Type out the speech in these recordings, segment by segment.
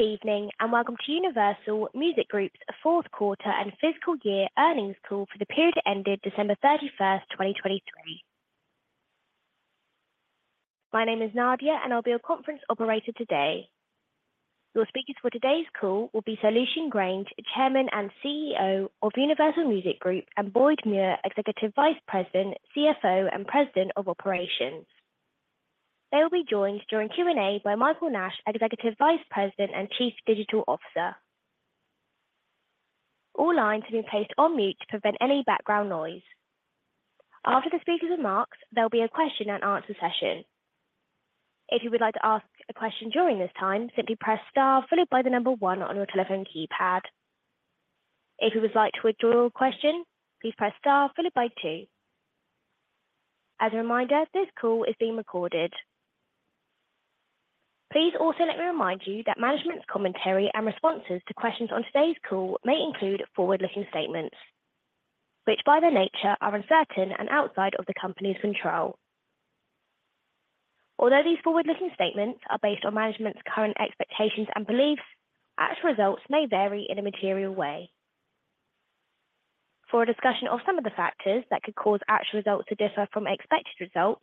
Good evening and welcome to Universal Music Group's fourth quarter and fiscal year earnings call for the period that ended December 31st, 2023. My name is Nadia, and I'll be your conference operator today. Your speakers for today's call will be Sir Lucian Grainge, Chairman and CEO of Universal Music Group, and Boyd Muir, Executive Vice President, CFO, and President of Operations. They will be joined during Q&A by Michael Nash, Executive Vice President and Chief Digital Officer. All lines have been placed on mute to prevent any background noise. After the speakers' remarks, there'll be a question and answer session. If you would like to ask a question during this time, simply press star followed by the number one on your telephone keypad. If you would like to withdraw your question, please press star followed by two. As a reminder, this call is being recorded. Please also let me remind you that management's commentary and responses to questions on today's call may include forward-looking statements, which by their nature are uncertain and outside of the company's control. Although these forward-looking statements are based on management's current expectations and beliefs, actual results may vary in a material way. For a discussion of some of the factors that could cause actual results to differ from expected results,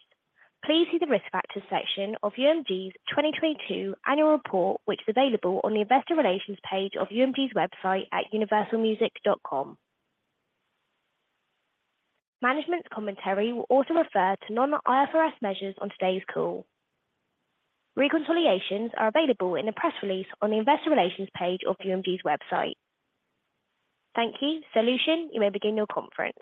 please see the risk factors section of UMG's 2022 annual report, which is available on the Investor Relations page of UMG's website at universalmusic.com. Management's commentary will also refer to non-IFRS measures on today's call. Reconciliations are available in a press release on the Investor Relations page of UMG's website. Thank you. Sir Lucian, you may begin your conference.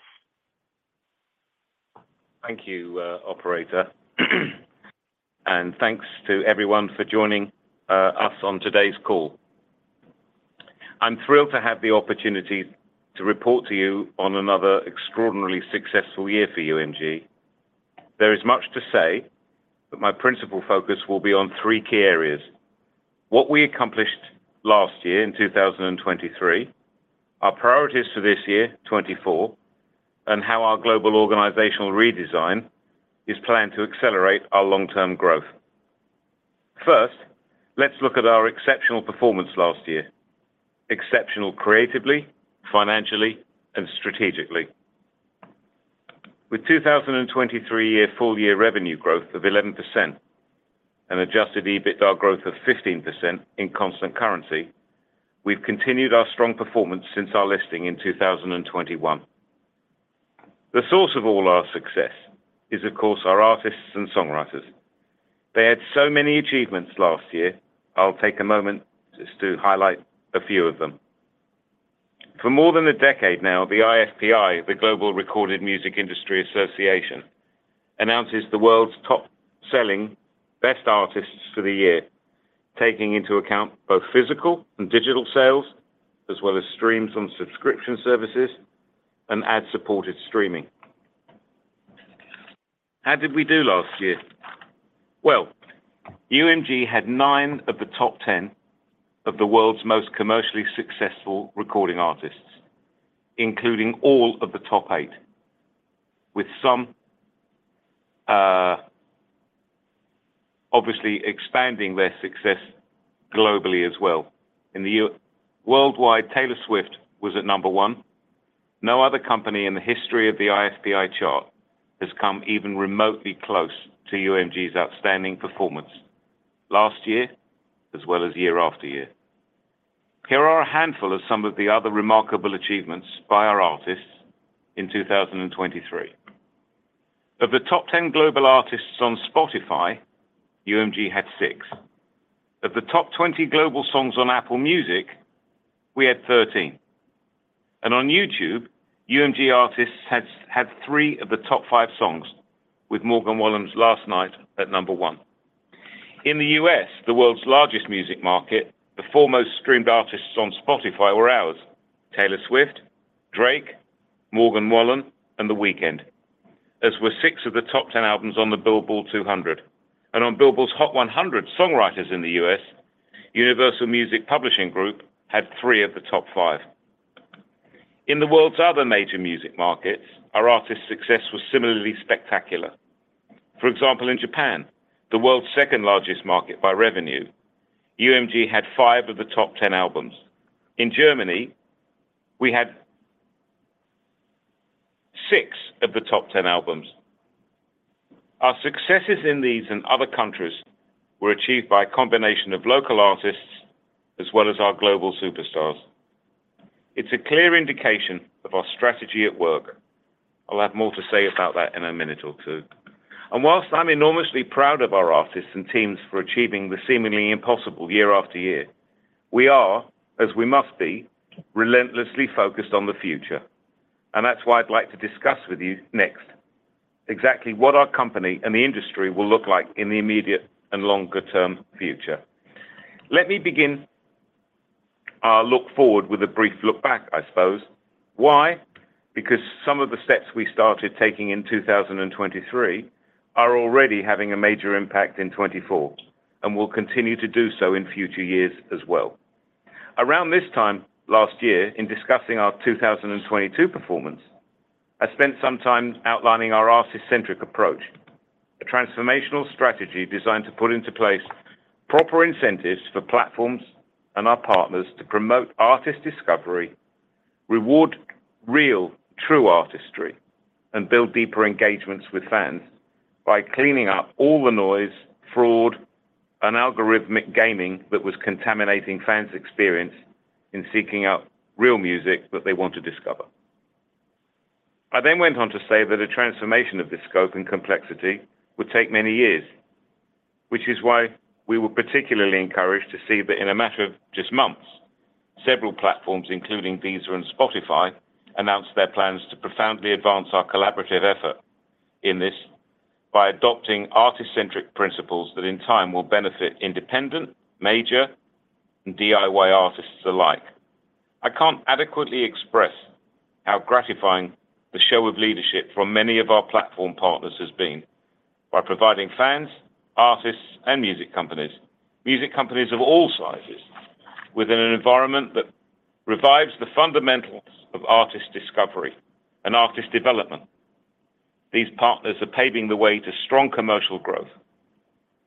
Thank you, Operator. Thanks to everyone for joining us on today's call. I'm thrilled to have the opportunity to report to you on another extraordinarily successful year for UMG. There is much to say, but my principal focus will be on three key areas: what we accomplished last year in 2023, our priorities for this year, 2024, and how our global organizational redesign is planned to accelerate our long-term growth. First, let's look at our exceptional performance last year, exceptional creatively, financially, and strategically. With 2023 full-year revenue growth of 11% and adjusted EBITDA growth of 15% in constant currency, we've continued our strong performance since our listing in 2021. The source of all our success is, of course, our artists and songwriters. They had so many achievements last year, I'll take a moment just to highlight a few of them. For more than a decade now, the IFPI, the Global Recorded Music Industry Association, announces the world's top-selling best artists for the year, taking into account both physical and digital sales, as well as streams on subscription services and ad-supported streaming. How did we do last year? Well, UMG had nine of the top 10 of the world's most commercially successful recording artists, including all of the top eight, with some obviously expanding their success globally as well. In the worldwide, Taylor Swift was at number 1. No other company in the history of the IFPI chart has come even remotely close to UMG's outstanding performance last year, as well as year-after-year. Here are a handful of some of the other remarkable achievements by our artists in 2023. Of the top 10 global artists on Spotify, UMG had six. Of the top 20 global songs on Apple Music, we had 13. On YouTube, UMG artists had three of the top five songs, with Morgan Wallen's Last Night at number 1. In the U.S., the world's largest music market, the foremost streamed artists on Spotify were ours: Taylor Swift, Drake, Morgan Wallen, and The Weeknd, as were six of the top 10 albums on the Billboard 200. On Billboard's Hot 100 Songwriters in the U.S., Universal Music Publishing Group had three of the top 5. In the world's other major music markets, our artists' success was similarly spectacular. For example, in Japan, the world's second largest market by revenue, UMG had five of the top 10 albums. In Germany, we had six of the top 10 albums. Our successes in these and other countries were achieved by a combination of local artists as well as our global superstars. It's a clear indication of our strategy at work. I'll have more to say about that in a minute or two. While I'm enormously proud of our artists and teams for achieving the seemingly impossible year-after-year, we are, as we must be, relentlessly focused on the future. That's why I'd like to discuss with you next exactly what our company and the industry will look like in the immediate and longer-term future. Let me begin our look forward with a brief look back, I suppose. Why? Because some of the steps we started taking in 2023 are already having a major impact in 2024 and will continue to do so in future years as well. Around this time last year, in discussing our 2022 performance, I spent some time outlining our artist-centric approach, a transformational strategy designed to put into place proper incentives for platforms and our partners to promote artist discovery, reward real, true artistry, and build deeper engagements with fans by cleaning up all the noise, fraud, and algorithmic gaming that was contaminating fans' experience in seeking out real music that they want to discover. I then went on to say that a transformation of this scope and complexity would take many years, which is why we were particularly encouraged to see that in a matter of just months, several platforms, including Deezer and Spotify, announced their plans to profoundly advance our collaborative effort in this by adopting artist-centric principles that, in time, will benefit independent, major, and DIY artists alike. I can't adequately express how gratifying the show of leadership from many of our platform partners has been by providing fans, artists, and music companies, music companies of all sizes, within an environment that revives the fundamentals of artist discovery and artist development. These partners are paving the way to strong commercial growth.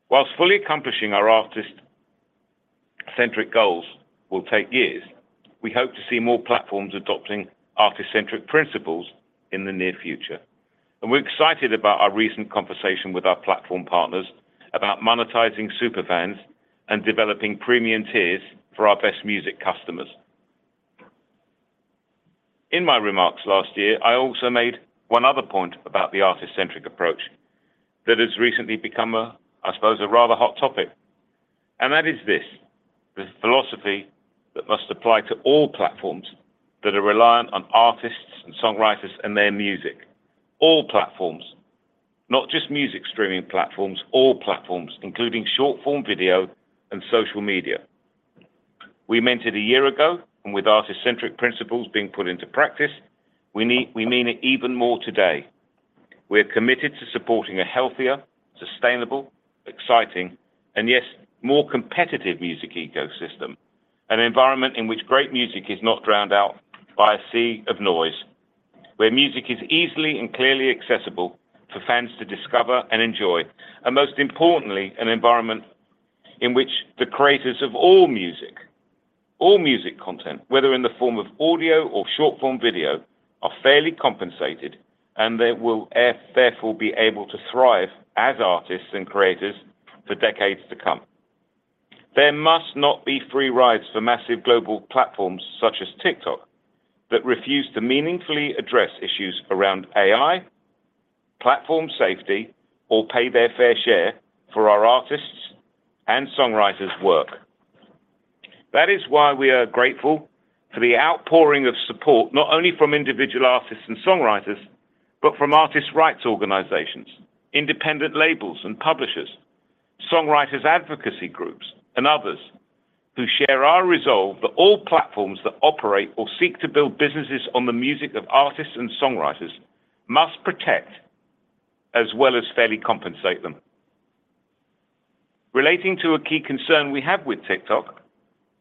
While fully accomplishing our artist-centric goals will take years, we hope to see more platforms adopting artist-centric principles in the near future. And we're excited about our recent conversation with our platform partners about monetizing super fans and developing premium tiers for our best music customers. In my remarks last year, I also made one other point about the artist-centric approach that has recently become, I suppose, a rather hot topic. And that is this: the philosophy that must apply to all platforms that are reliant on artists and songwriters and their music. All platforms, not just music streaming platforms, all platforms, including short-form video and social media. We mentioned a year ago, and with artist-centric principles being put into practice, we mean it even more today. We are committed to supporting a healthier, sustainable, exciting, and yes, more competitive music ecosystem, an environment in which great music is not drowned out by a sea of noise, where music is easily and clearly accessible for fans to discover and enjoy, and most importantly, an environment in which the creators of all music, all music content, whether in the form of audio or short-form video are fairly compensated and will therefore be able to thrive as artists and creators for decades to come. There must not be free rides for massive global platforms such as TikTok that refuse to meaningfully address issues around AI, platform safety, or pay their fair share for our artists' and songwriters' work. That is why we are grateful for the outpouring of support not only from individual artists and songwriters but from artist rights organizations, independent labels and publishers, songwriters' advocacy groups, and others who share our resolve that all platforms that operate or seek to build businesses on the music of artists and songwriters must protect as well as fairly compensate them. Relating to a key concern we have with TikTok,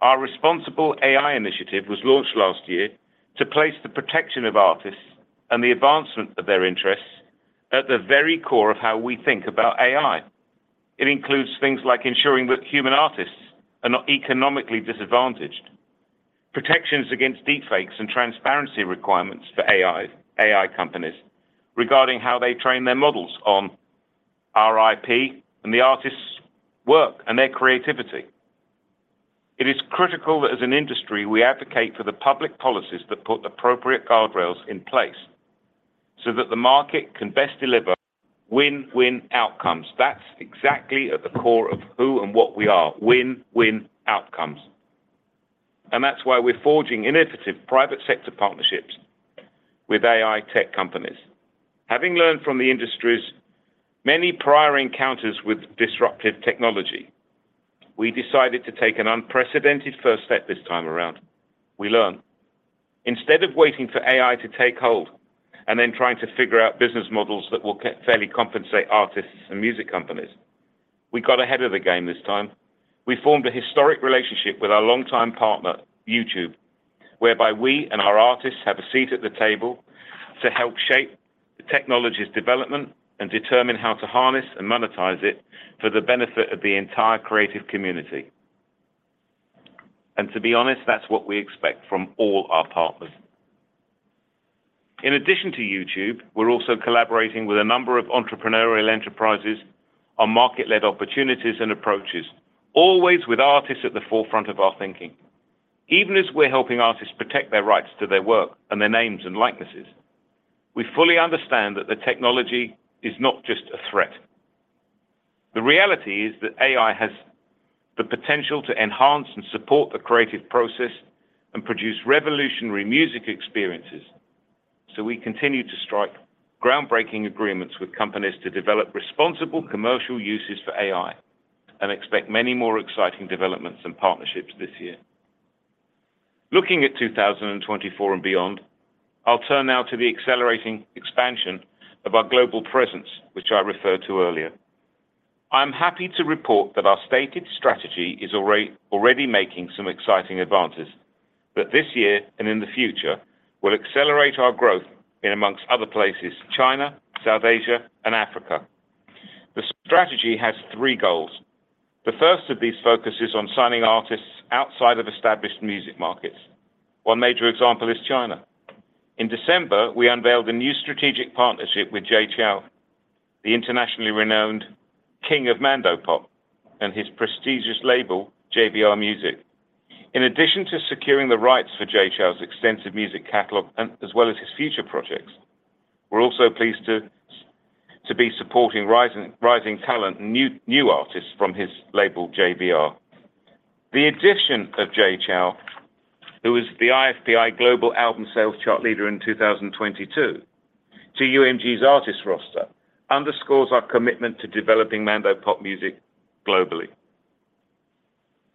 our Responsible AI Initiative was launched last year to place the protection of artists and the advancement of their interests at the very core of how we think about AI. It includes things like ensuring that human artists are not economically disadvantaged, protections against deepfakes, and transparency requirements for AI companies regarding how they train their models on our IP and the artist's work and their creativity. It is critical that, as an industry, we advocate for the public policies that put appropriate guardrails in place so that the market can best deliver win-win outcomes. That's exactly at the core of who and what we are: win-win outcomes. And that's why we're forging innovative private sector partnerships with AI tech companies. Having learned from the industry's many prior encounters with disruptive technology, we decided to take an unprecedented first step this time around. We learned. Instead of waiting for AI to take hold and then trying to figure out business models that will fairly compensate artists and music companies, we got ahead of the game this time. We formed a historic relationship with our longtime partner, YouTube, whereby we and our artists have a seat at the table to help shape the technology's development and determine how to harness and monetize it for the benefit of the entire creative community. To be honest, that's what we expect from all our partners. In addition to YouTube, we're also collaborating with a number of entrepreneurial enterprises on market-led opportunities and approaches, always with artists at the forefront of our thinking. Even as we're helping artists protect their rights to their work and their names and likenesses, we fully understand that the technology is not just a threat. The reality is that AI has the potential to enhance and support the creative process and produce revolutionary music experiences. So we continue to strike groundbreaking agreements with companies to develop responsible commercial uses for AI and expect many more exciting developments and partnerships this year. Looking at 2024 and beyond, I'll turn now to the accelerating expansion of our global presence, which I referred to earlier. I am happy to report that our stated strategy is already making some exciting advances, that this year and in the future will accelerate our growth in, among other places, China, South Asia, and Africa. The strategy has three goals. The first of these focuses on signing artists outside of established music markets. One major example is China. In December, we unveiled a new strategic partnership with Jay Chou, the internationally renowned king of Mandopop, and his prestigious label, JVR Music. In addition to securing the rights for Jay Chou's extensive music catalogue as well as his future projects, we're also pleased to be supporting rising talent and new artists from his label, JVR. The addition of Jay Chou, who was the IFPI Global Album Sales Chart leader in 2022, to UMG's artist roster underscores our commitment to developing Mandopop music globally.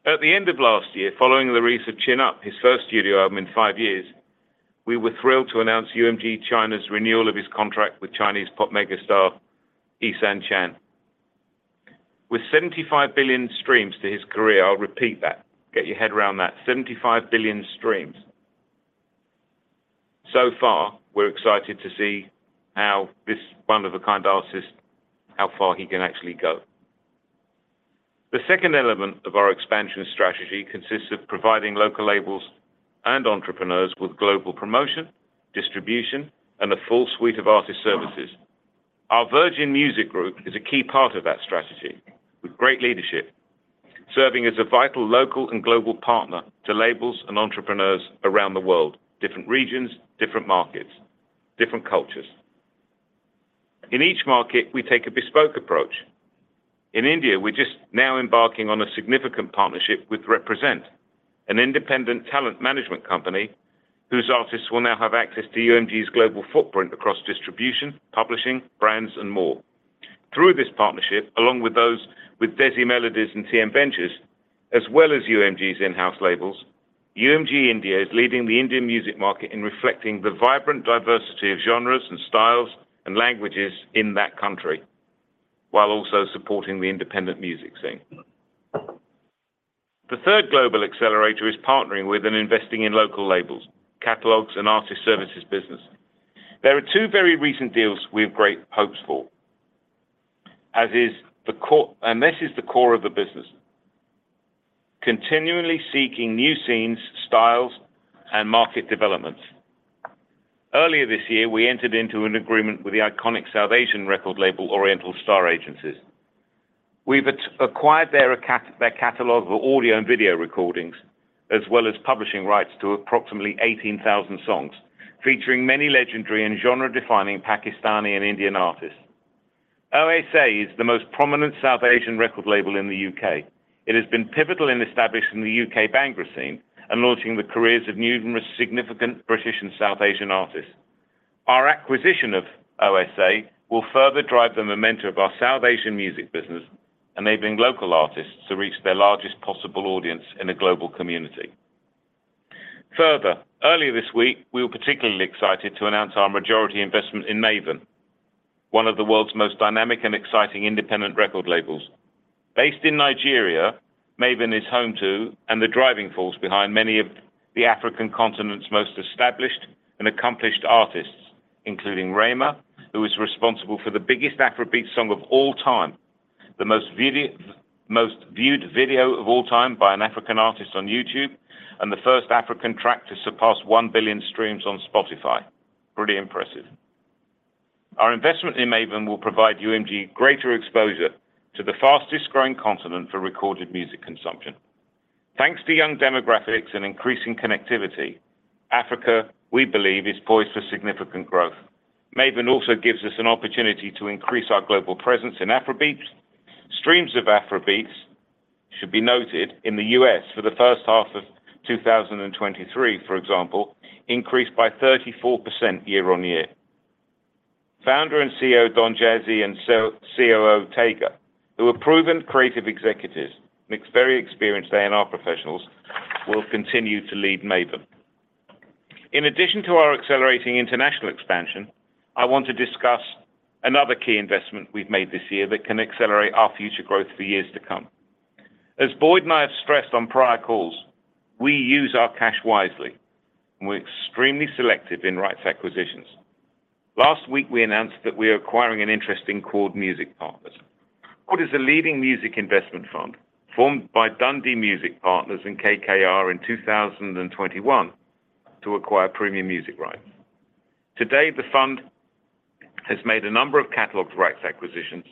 At the end of last year, following the release of Chin Up, his first studio album in five years, we were thrilled to announce UMG China's renewal of his contract with Chinese pop megastar Eason Chan. With 75 billion streams to his career - I'll repeat that, get your head around that - 75 billion streams. So far, we're excited to see how this one-of-a-kind artist, how far he can actually go. The second element of our expansion strategy consists of providing local labels and entrepreneurs with global promotion, distribution, and a full suite of artist services. Our Virgin Music Group is a key part of that strategy with great leadership, serving as a vital local and global partner to labels and entrepreneurs around the world, different regions, different markets, different cultures. In each market, we take a bespoke approach. In India, we're just now embarking on a significant partnership with Represent, an independent talent management company whose artists will now have access to UMG's global footprint across distribution, publishing, brands, and more. Through this partnership, along with those with Desi Melodies and TM Ventures as well as UMG's in-house labels, UMG India is leading the Indian music market in reflecting the vibrant diversity of genres and styles and languages in that country while also supporting the independent music scene. The third global accelerator is partnering with and investing in local labels, catalogs, and artist services business. There are two very recent deals we have great hopes for, as is the core and this is the core of the business: continually seeking new scenes, styles, and market developments. Earlier this year, we entered into an agreement with the iconic South Asian record label Oriental Star Agencies. We've acquired their catalogue of audio and video recordings as well as publishing rights to approximately 18,000 songs featuring many legendary and genre-defining Pakistani and Indian artists. OSA is the most prominent South Asian record label in the U.K. It has been pivotal in establishing the U.K. bhangra scene and launching the careers of numerous significant British and South Asian artists. Our acquisition of OSA will further drive the momentum of our South Asian music business, enabling local artists to reach their largest possible audience in a global community. Further, earlier this week, we were particularly excited to announce our majority investment in Mavin, one of the world's most dynamic and exciting independent record labels. Based in Nigeria, Mavin is home to and the driving force behind many of the African continent's most established and accomplished artists, including Rema, who is responsible for the biggest Afrobeats song of all time, the most viewed video of all time by an African artist on YouTube, and the first African track to surpass 1 billion streams on Spotify. Pretty impressive. Our investment in Mavin will provide UMG greater exposure to the fastest-growing continent for recorded music consumption. Thanks to young demographics and increasing connectivity, Africa, we believe, is poised for significant growth. Mavin also gives us an opportunity to increase our global presence in Afrobeats. Streams of Afrobeats, should be noted, in the U.S. for the first half of 2023, for example, increased by 34% year-on-year. Founder and CEO, Don Jazzy, and COO, Tega, who are proven creative executives mixed very experienced A&R professionals, will continue to lead Mavin. In addition to our accelerating international expansion, I want to discuss another key investment we've made this year that can accelerate our future growth for years to come. As Boyd and I have stressed on prior calls, we use our cash wisely, and we're extremely selective in rights acquisitions. Last week, we announced that we are acquiring an interest in Chord Music Partners. Chord is a leading music investment fund formed by Dundee Music Partners and KKR in 2021 to acquire premium music rights. Today, the fund has made a number of catalog rights acquisitions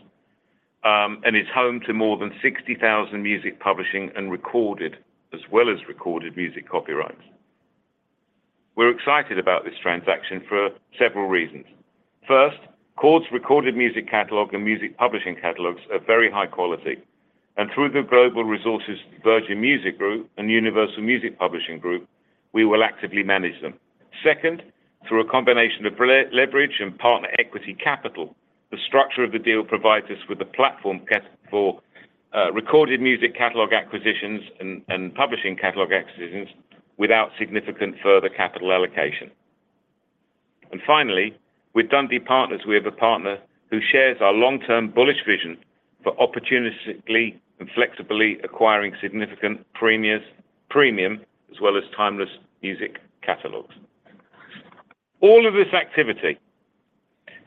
and is home to more than 60,000 music publishing and recorded as well as recorded music copyrights. We're excited about this transaction for several reasons. First, Chord's recorded music catalog and music publishing catalogs are very high quality. Through the global resources of Virgin Music Group and Universal Music Publishing Group, we will actively manage them. Second, through a combination of leverage and partner equity capital, the structure of the deal provides us with a platform for recorded music catalog acquisitions and publishing catalog acquisitions without significant further capital allocation. Finally, with Dundee Partners, we have a partner who shares our long-term bullish vision for opportunistically and flexibly acquiring significant premiums as well as timeless music catalogs. All of this activity,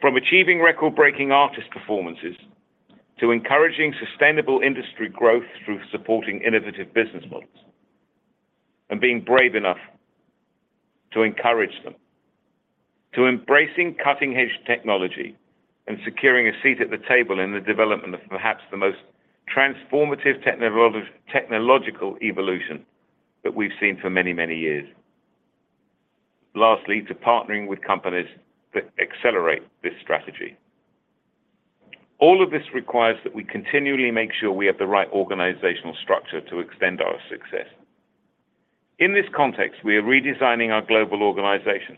from achieving record-breaking artist performances to encouraging sustainable industry growth through supporting innovative business models and being brave enough to encourage them to embracing cutting-edge technology and securing a seat at the table in the development of perhaps the most transformative technological evolution that we've seen for many, many years, lastly, to partnering with companies that accelerate this strategy. All of this requires that we continually make sure we have the right organizational structure to extend our success. In this context, we are redesigning our global organization.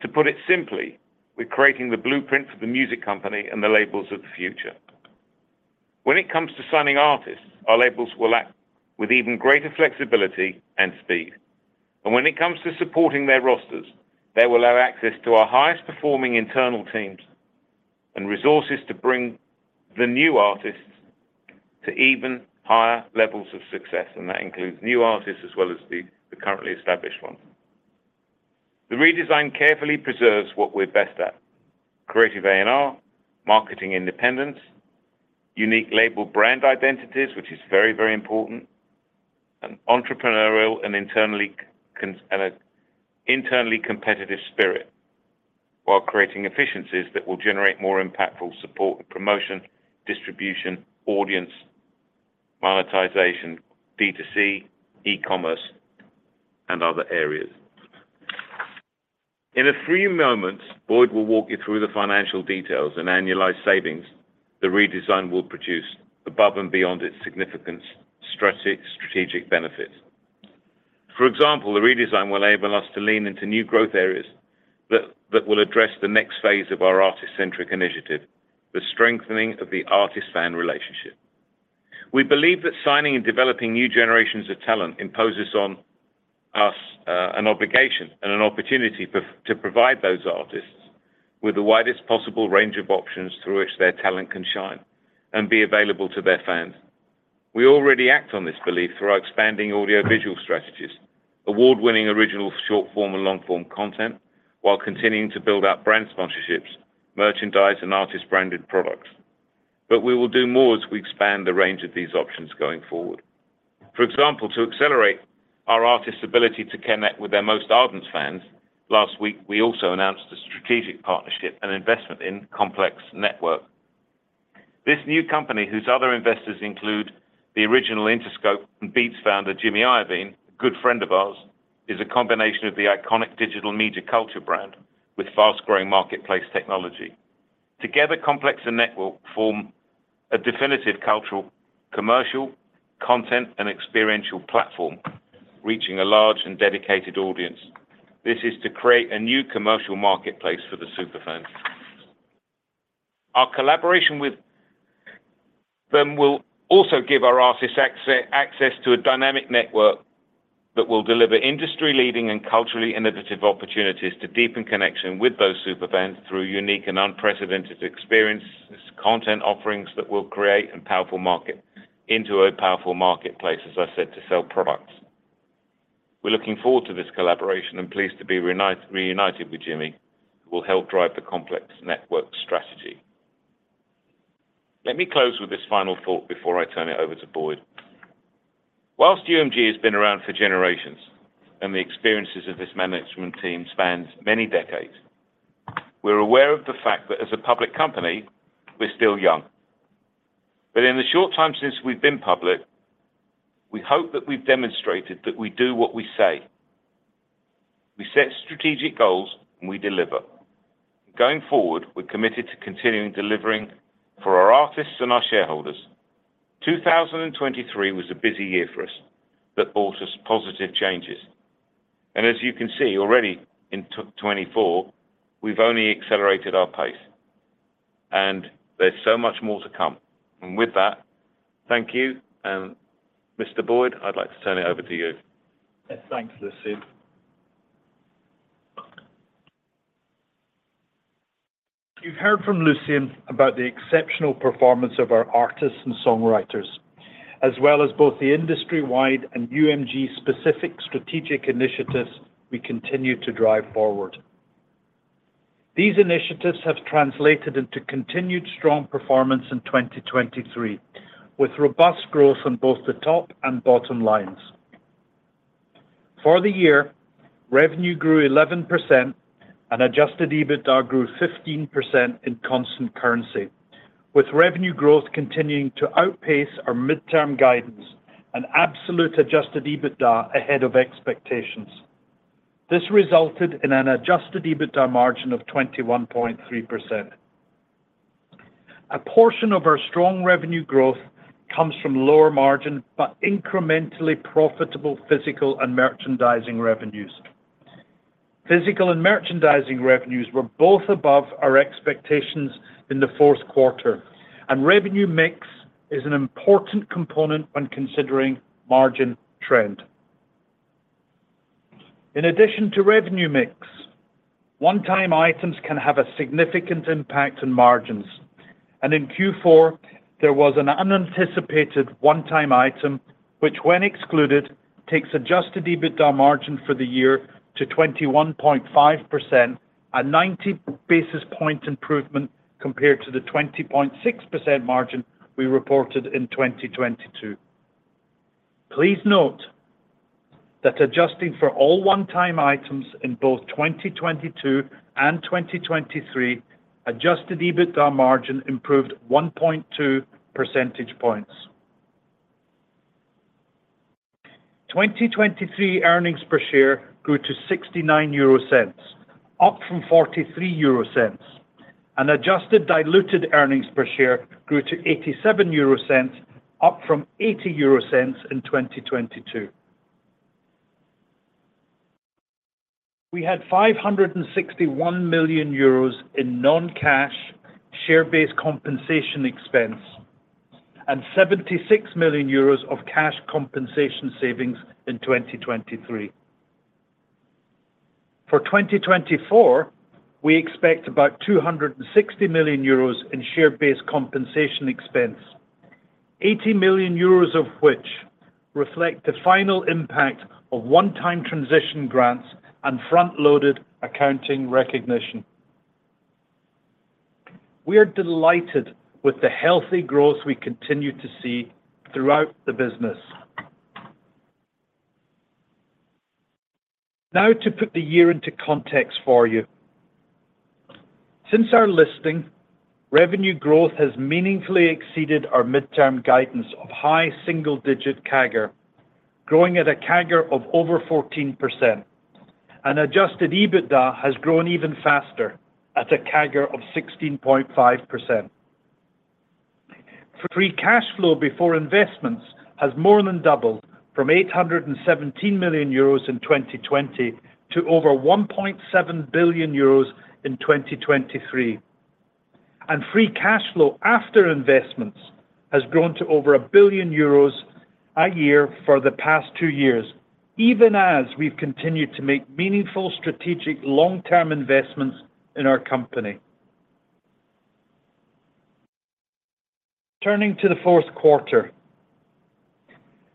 To put it simply, we're creating the blueprint for the music company and the labels of the future. When it comes to signing artists, our labels will act with even greater flexibility and speed. When it comes to supporting their rosters, they will have access to our highest performing internal teams and resources to bring the new artists to even higher levels of success. That includes new artists as well as the currently established ones. The redesign carefully preserves what we're best at: creative A&R, marketing independence, unique label brand identities, which is very, very important, and entrepreneurial and internally competitive spirit while creating efficiencies that will generate more impactful support and promotion, distribution, audience, monetization, B2C, e-commerce, and other areas. In a few moments, Boyd will walk you through the financial details and annualized savings the redesign will produce above and beyond its significant strategic benefits. For example, the redesign will enable us to lean into new growth areas that will address the next phase of our artist-centric initiative, the strengthening of the artist-fan relationship. We believe that signing and developing new generations of talent imposes on us an obligation and an opportunity to provide those artists with the widest possible range of options through which their talent can shine and be available to their fans. We already act on this belief through our expanding audiovisual strategies, award-winning original short-form and long-form content while continuing to build out brand sponsorships, merchandise, and artist-branded products. But we will do more as we expand the range of these options going forward. For example, to accelerate our artists' ability to connect with their most ardent fans, last week, we also announced a strategic partnership and investment in Complex Networks. This new company, whose other investors include the original Interscope and Beats founder Jimmy Iovine, a good friend of ours, is a combination of the iconic digital media culture brand with fast-growing marketplace technology. Together, Complex Networks form a definitive cultural, commercial, content, and experiential platform reaching a large and dedicated audience. This is to create a new commercial marketplace for the superfans. Our collaboration with them will also give our artists access to a dynamic network that will deliver industry-leading and culturally innovative opportunities to deepen connection with those superfans through unique and unprecedented experiences, content offerings that will create a powerful market into a powerful marketplace, as I said, to sell products. We're looking forward to this collaboration and pleased to be reunited with Jimmy, who will help drive the Complex Networks strategy. Let me close with this final thought before I turn it over to Boyd. While UMG has been around for generations and the experiences of this management team span many decades, we're aware of the fact that as a public company, we're still young. In the short time since we've been public, we hope that we've demonstrated that we do what we say. We set strategic goals, and we deliver. Going forward, we're committed to continuing delivering for our artists and our shareholders. 2023 was a busy year for us that brought us positive changes. As you can see already, in 2024, we've only accelerated our pace. There's so much more to come. With that, thank you. Mr. Boyd, I'd like to turn it over to you. Thanks, Lucian. You've heard from Lucian about the exceptional performance of our artists and songwriters as well as both the industry-wide and UMG-specific strategic initiatives we continue to drive forward. These initiatives have translated into continued strong performance in 2023 with robust growth on both the top and bottom lines. For the year, revenue grew 11%, and adjusted EBITDA grew 15% in constant currency, with revenue growth continuing to outpace our midterm guidance and absolute adjusted EBITDA ahead of expectations. This resulted in an adjusted EBITDA margin of 21.3%. A portion of our strong revenue growth comes from lower-margin but incrementally profitable physical and merchandising revenues. Physical and merchandising revenues were both above our expectations in the fourth quarter. Revenue mix is an important component when considering margin trend. In addition to revenue mix, one-time items can have a significant impact on margins. In Q4, there was an unanticipated one-time item which, when excluded, takes adjusted EBITDA margin for the year to 21.5%, a 90 basis point improvement compared to the 20.6% margin we reported in 2022. Please note that adjusting for all one-time items in both 2022 and 2023, adjusted EBITDA margin improved 1.2 percentage points. 2023 earnings per share grew to 0.69, up from 0.43. Adjusted diluted earnings per share grew to 0.87, up from 0.80 in 2022. We had 561 million euros in non-cash share-based compensation expense and 76 million euros of cash compensation savings in 2023. For 2024, we expect about 260 million euros in share-based compensation expense, 80 million euros of which reflect the final impact of one-time transition grants and front-loaded accounting recognition. We are delighted with the healthy growth we continue to see throughout the business. Now, to put the year into context for you. Since our listing, revenue growth has meaningfully exceeded our midterm guidance of high single-digit CAGR, growing at a CAGR of over 14%. Adjusted EBITDA has grown even faster at a CAGR of 16.5%. Free cash flow before investments has more than doubled from 817 million euros in 2020 to over 1.7 billion euros in 2023. Free cash flow after investments has grown to over 1 billion euros a year for the past two years, even as we've continued to make meaningful strategic long-term investments in our company. Turning to the fourth quarter.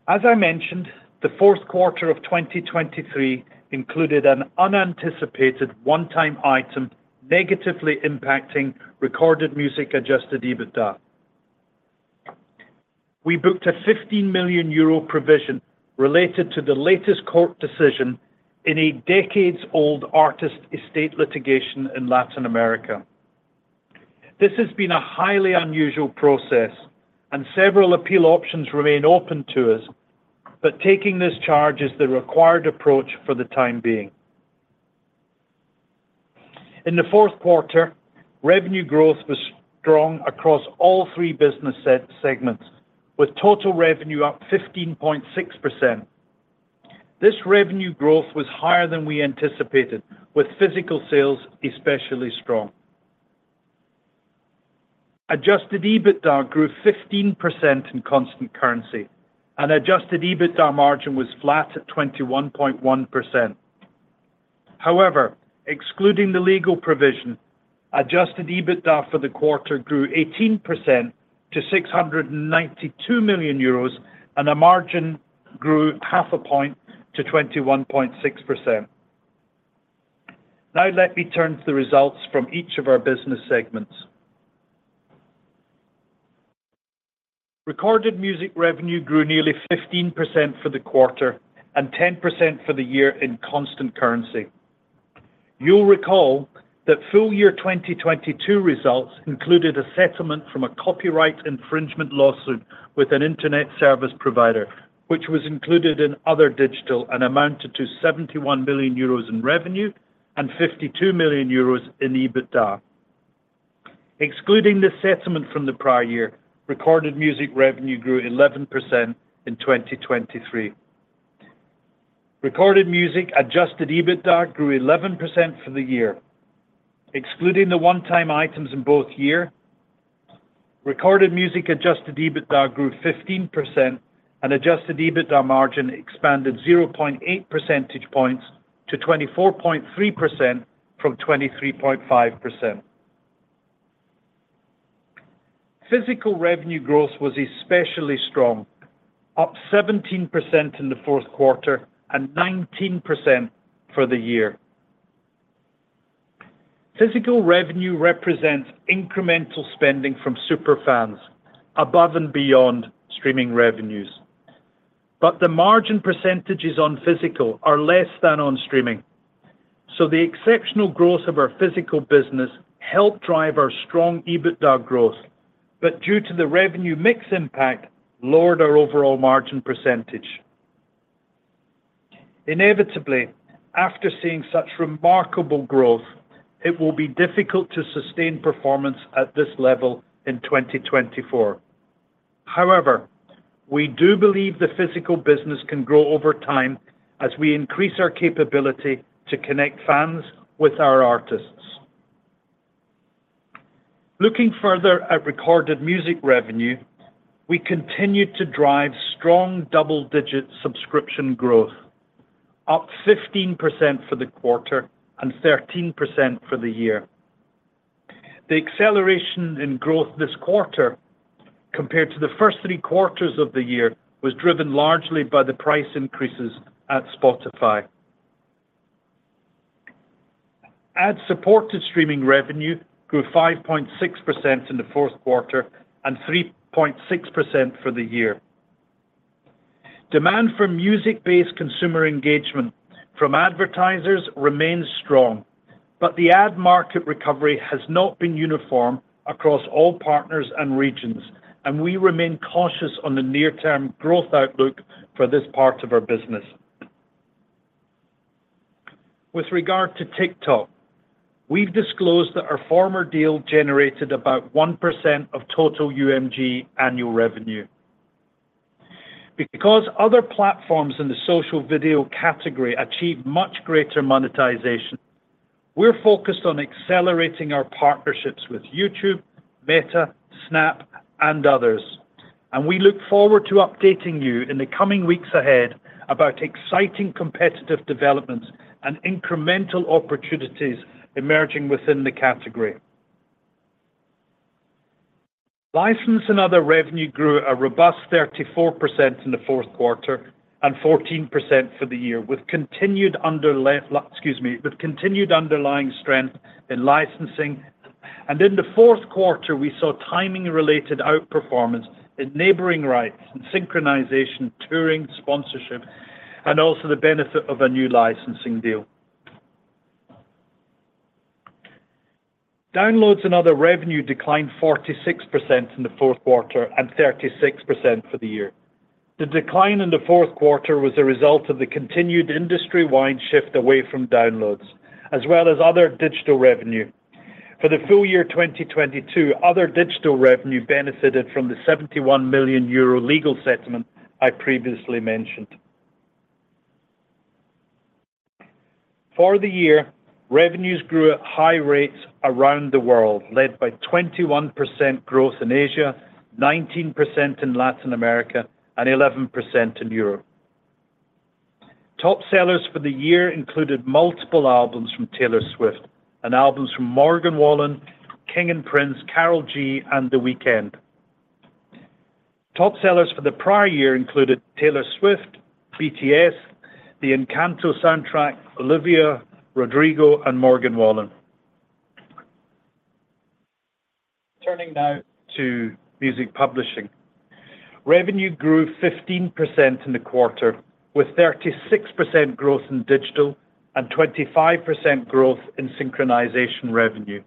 As I mentioned, the fourth quarter of 2023 included an unanticipated one-time item negatively impacting Recorded Music Adjusted EBITDA. We booked a 15 million euro provision related to the latest court decision in a decades-old artist estate litigation in Latin America. This has been a highly unusual process, and several appeal options remain open to us. Taking this charge is the required approach for the time being. In the fourth quarter, revenue growth was strong across all three business segments, with total revenue up 15.6%. This revenue growth was higher than we anticipated, with physical sales especially strong. Adjusted EBITDA grew 15% in constant currency, and adjusted EBITDA margin was flat at 21.1%. However, excluding the legal provision, adjusted EBITDA for the quarter grew 18% to 692 million euros, and the margin grew half a point to 21.6%. Now, let me turn to the results from each of our business segments. Recorded music revenue grew nearly 15% for the quarter and 10% for the year in constant currency. You'll recall that full-year 2022 results included a settlement from a copyright infringement lawsuit with an internet service provider, which was included in other digital and amounted to 71 million euros in revenue and 52 million euros in EBITDA. Excluding this settlement from the prior year, recorded music revenue grew 11% in 2023. Recorded music adjusted EBITDA grew 11% for the year. Excluding the one-time items in both years, recorded music adjusted EBITDA grew 15%, and adjusted EBITDA margin expanded 0.8 percentage points to 24.3% from 23.5%. Physical revenue growth was especially strong, up 17% in the fourth quarter and 19% for the year. Physical revenue represents incremental spending from superfans above and beyond streaming revenues. But the margin percentages on physical are less than on streaming. So the exceptional growth of our physical business helped drive our strong EBITDA growth. But due to the revenue mix impact, it lowered our overall margin percentage. Inevitably, after seeing such remarkable growth, it will be difficult to sustain performance at this level in 2024. However, we do believe the physical business can grow over time as we increase our capability to connect fans with our artists. Looking further at recorded music revenue, we continue to drive strong double-digit subscription growth, up 15% for the quarter and 13% for the year. The acceleration in growth this quarter compared to the first three quarters of the year was driven largely by the price increases at Spotify. Ad-supported streaming revenue grew 5.6% in the fourth quarter and 3.6% for the year. Demand for music-based consumer engagement from advertisers remains strong. But the ad market recovery has not been uniform across all partners and regions. And we remain cautious on the near-term growth outlook for this part of our business. With regard to TikTok, we've disclosed that our former deal generated about 1% of total UMG annual revenue. Because other platforms in the social video category achieve much greater monetization, we're focused on accelerating our partnerships with YouTube, Meta, Snap, and others. We look forward to updating you in the coming weeks ahead about exciting competitive developments and incremental opportunities emerging within the category. License and other revenue grew a robust 34% in the fourth quarter and 14% for the year, with continued underlying strength in licensing. In the fourth quarter, we saw timing-related outperformance in neighboring rights and synchronization, touring, sponsorship, and also the benefit of a new licensing deal. Downloads and other revenue declined 46% in the fourth quarter and 36% for the year. The decline in the fourth quarter was a result of the continued industry-wide shift away from downloads, as well as other digital revenue. For the full year 2022, other digital revenue benefited from the 71 million euro legal settlement I previously mentioned. For the year, revenues grew at high rates around the world, led by 21% growth in Asia, 19% in Latin America, and 11% in Europe. Top sellers for the year included multiple albums from Taylor Swift and albums from Morgan Wallen, King & Prince, Karol G, and The Weeknd. Top sellers for the prior year included Taylor Swift, BTS, the Encanto soundtrack, Olivia Rodrigo, and Morgan Wallen. Turning now to music publishing. Revenue grew 15% in the quarter, with 36% growth in digital and 25% growth in synchronization revenue.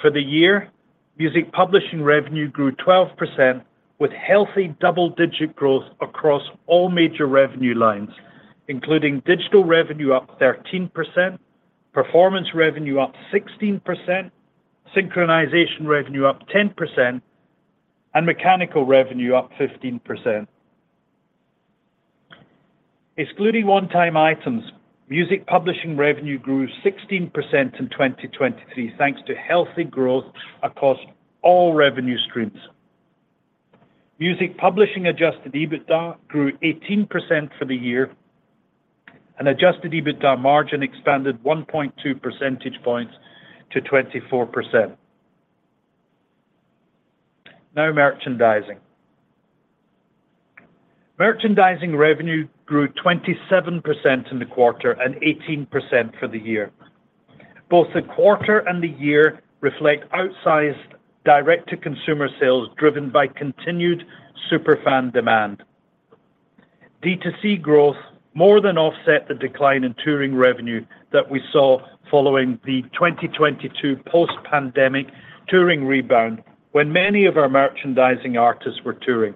For the year, music publishing revenue grew 12% with healthy double-digit growth across all major revenue lines, including digital revenue up 13%, performance revenue up 16%, synchronization revenue up 10%, and mechanical revenue up 15%. Excluding one-time items, music publishing revenue grew 16% in 2023 thanks to healthy growth across all revenue streams. Music publishing adjusted EBITDA grew 18% for the year. Adjusted EBITDA margin expanded 1.2 percentage points to 24%. Now, merchandising. Merchandising revenue grew 27% in the quarter and 18% for the year. Both the quarter and the year reflect outsized direct-to-consumer sales driven by continued superfan demand. DTC growth more than offset the decline in touring revenue that we saw following the 2022 post-pandemic touring rebound, when many of our merchandising artists were touring.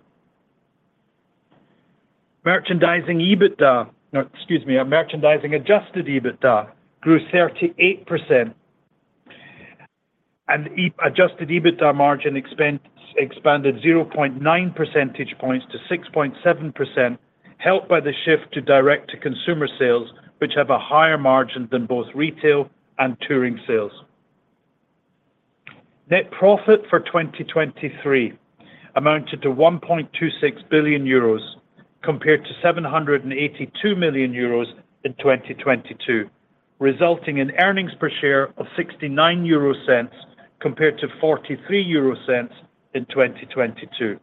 Merchandising EBITDA excuse me, merchandising adjusted EBITDA grew 38%. Adjusted EBITDA margin expanded 0.9 percentage points to 6.7%, helped by the shift to direct-to-consumer sales, which have a higher margin than both retail and touring sales. Net profit for 2023 amounted to 1.26 billion euros compared to 782 million euros in 2022, resulting in earnings per share of 0.69 compared to 0.43 in 2022.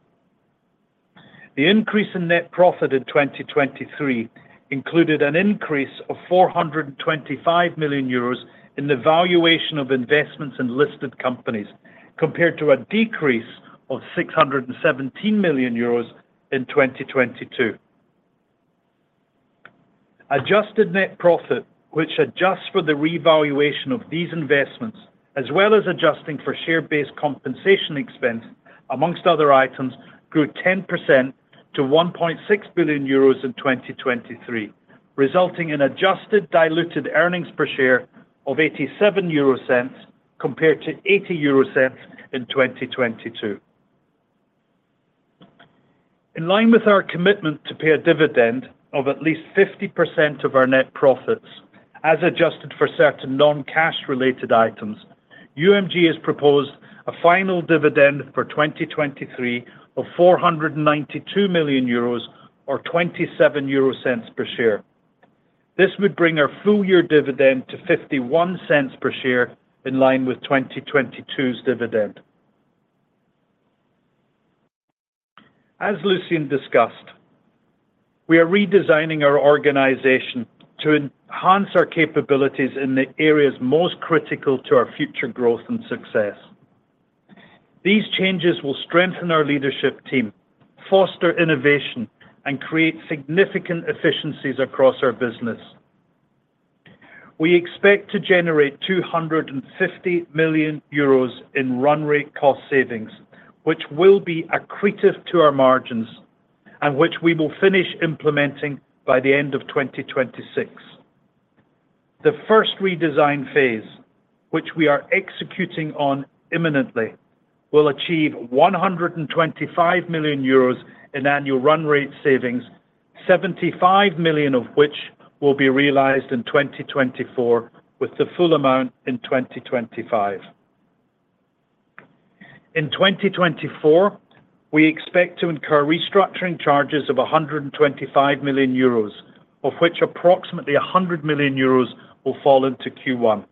The increase in net profit in 2023 included an increase of 425 million euros in the valuation of investments in listed companies compared to a decrease of 617 million euros in 2022. Adjusted net profit, which adjusts for the revaluation of these investments, as well as adjusting for share-based compensation expense, among other items, grew 10% to 1.6 billion euros in 2023, resulting in adjusted diluted earnings per share of 0.87 compared to 0.80 in 2022. In line with our commitment to pay a dividend of at least 50% of our net profits, as adjusted for certain non-cash-related items, UMG has proposed a final dividend for 2023 of 492 million euros or 0.27 per share. This would bring our full-year dividend to 0.51 per share, in line with 2022's dividend. As Lucian discussed, we are redesigning our organization to enhance our capabilities in the areas most critical to our future growth and success. These changes will strengthen our leadership team, foster innovation, and create significant efficiencies across our business. We expect to generate 250 million euros in run-rate cost savings, which will be accretive to our margins and which we will finish implementing by the end of 2026. The first redesign phase, which we are executing on imminently, will achieve 125 million euros in annual run-rate savings, 75 million of which will be realized in 2024 with the full amount in 2025. In 2024, we expect to incur restructuring charges of 125 million euros, of which approximately 100 million euros will fall into Q1.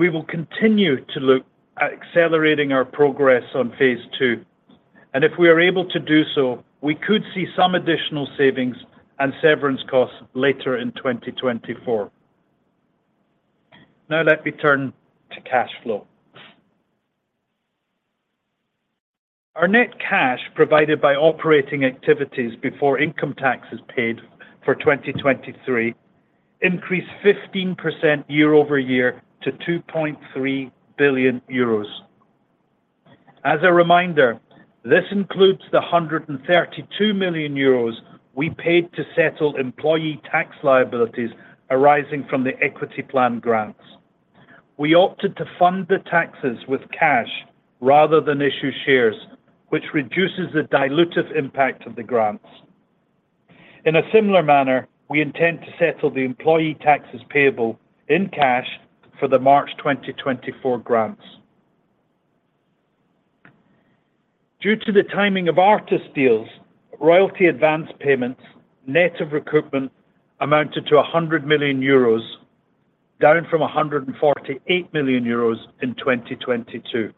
We will continue to look at accelerating our progress on phase II. If we are able to do so, we could see some additional savings and severance costs later in 2024. Now, let me turn to cash flow. Our net cash provided by operating activities before income tax is paid for 2023 increased 15% year-over-year to 2.3 billion euros. As a reminder, this includes the 132 million euros we paid to settle employee tax liabilities arising from the equity plan grants. We opted to fund the taxes with cash rather than issue shares, which reduces the dilutive impact of the grants. In a similar manner, we intend to settle the employee taxes payable in cash for the March 2024 grants. Due to the timing of artist deals, royalty advance payments net of recoupment amounted to 100 million euros, down from 148 million euros in 2022.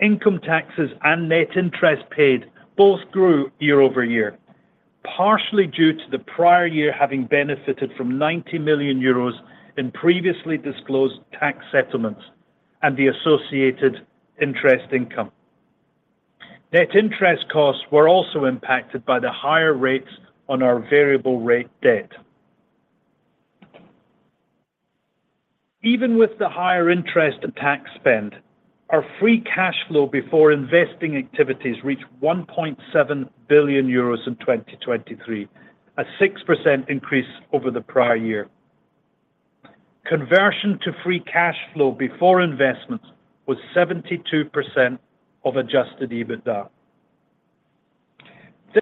Income taxes and net interest paid both grew year-over-year, partially due to the prior year having benefited from 90 million euros in previously disclosed tax settlements and the associated interest income. Net interest costs were also impacted by the higher rates on our variable-rate debt. Even with the higher interest and tax spend, our free cash flow before investing activities reached 1.7 billion euros in 2023, a 6% increase over the prior year. Conversion to free cash flow before investments was 72% of adjusted EBITDA.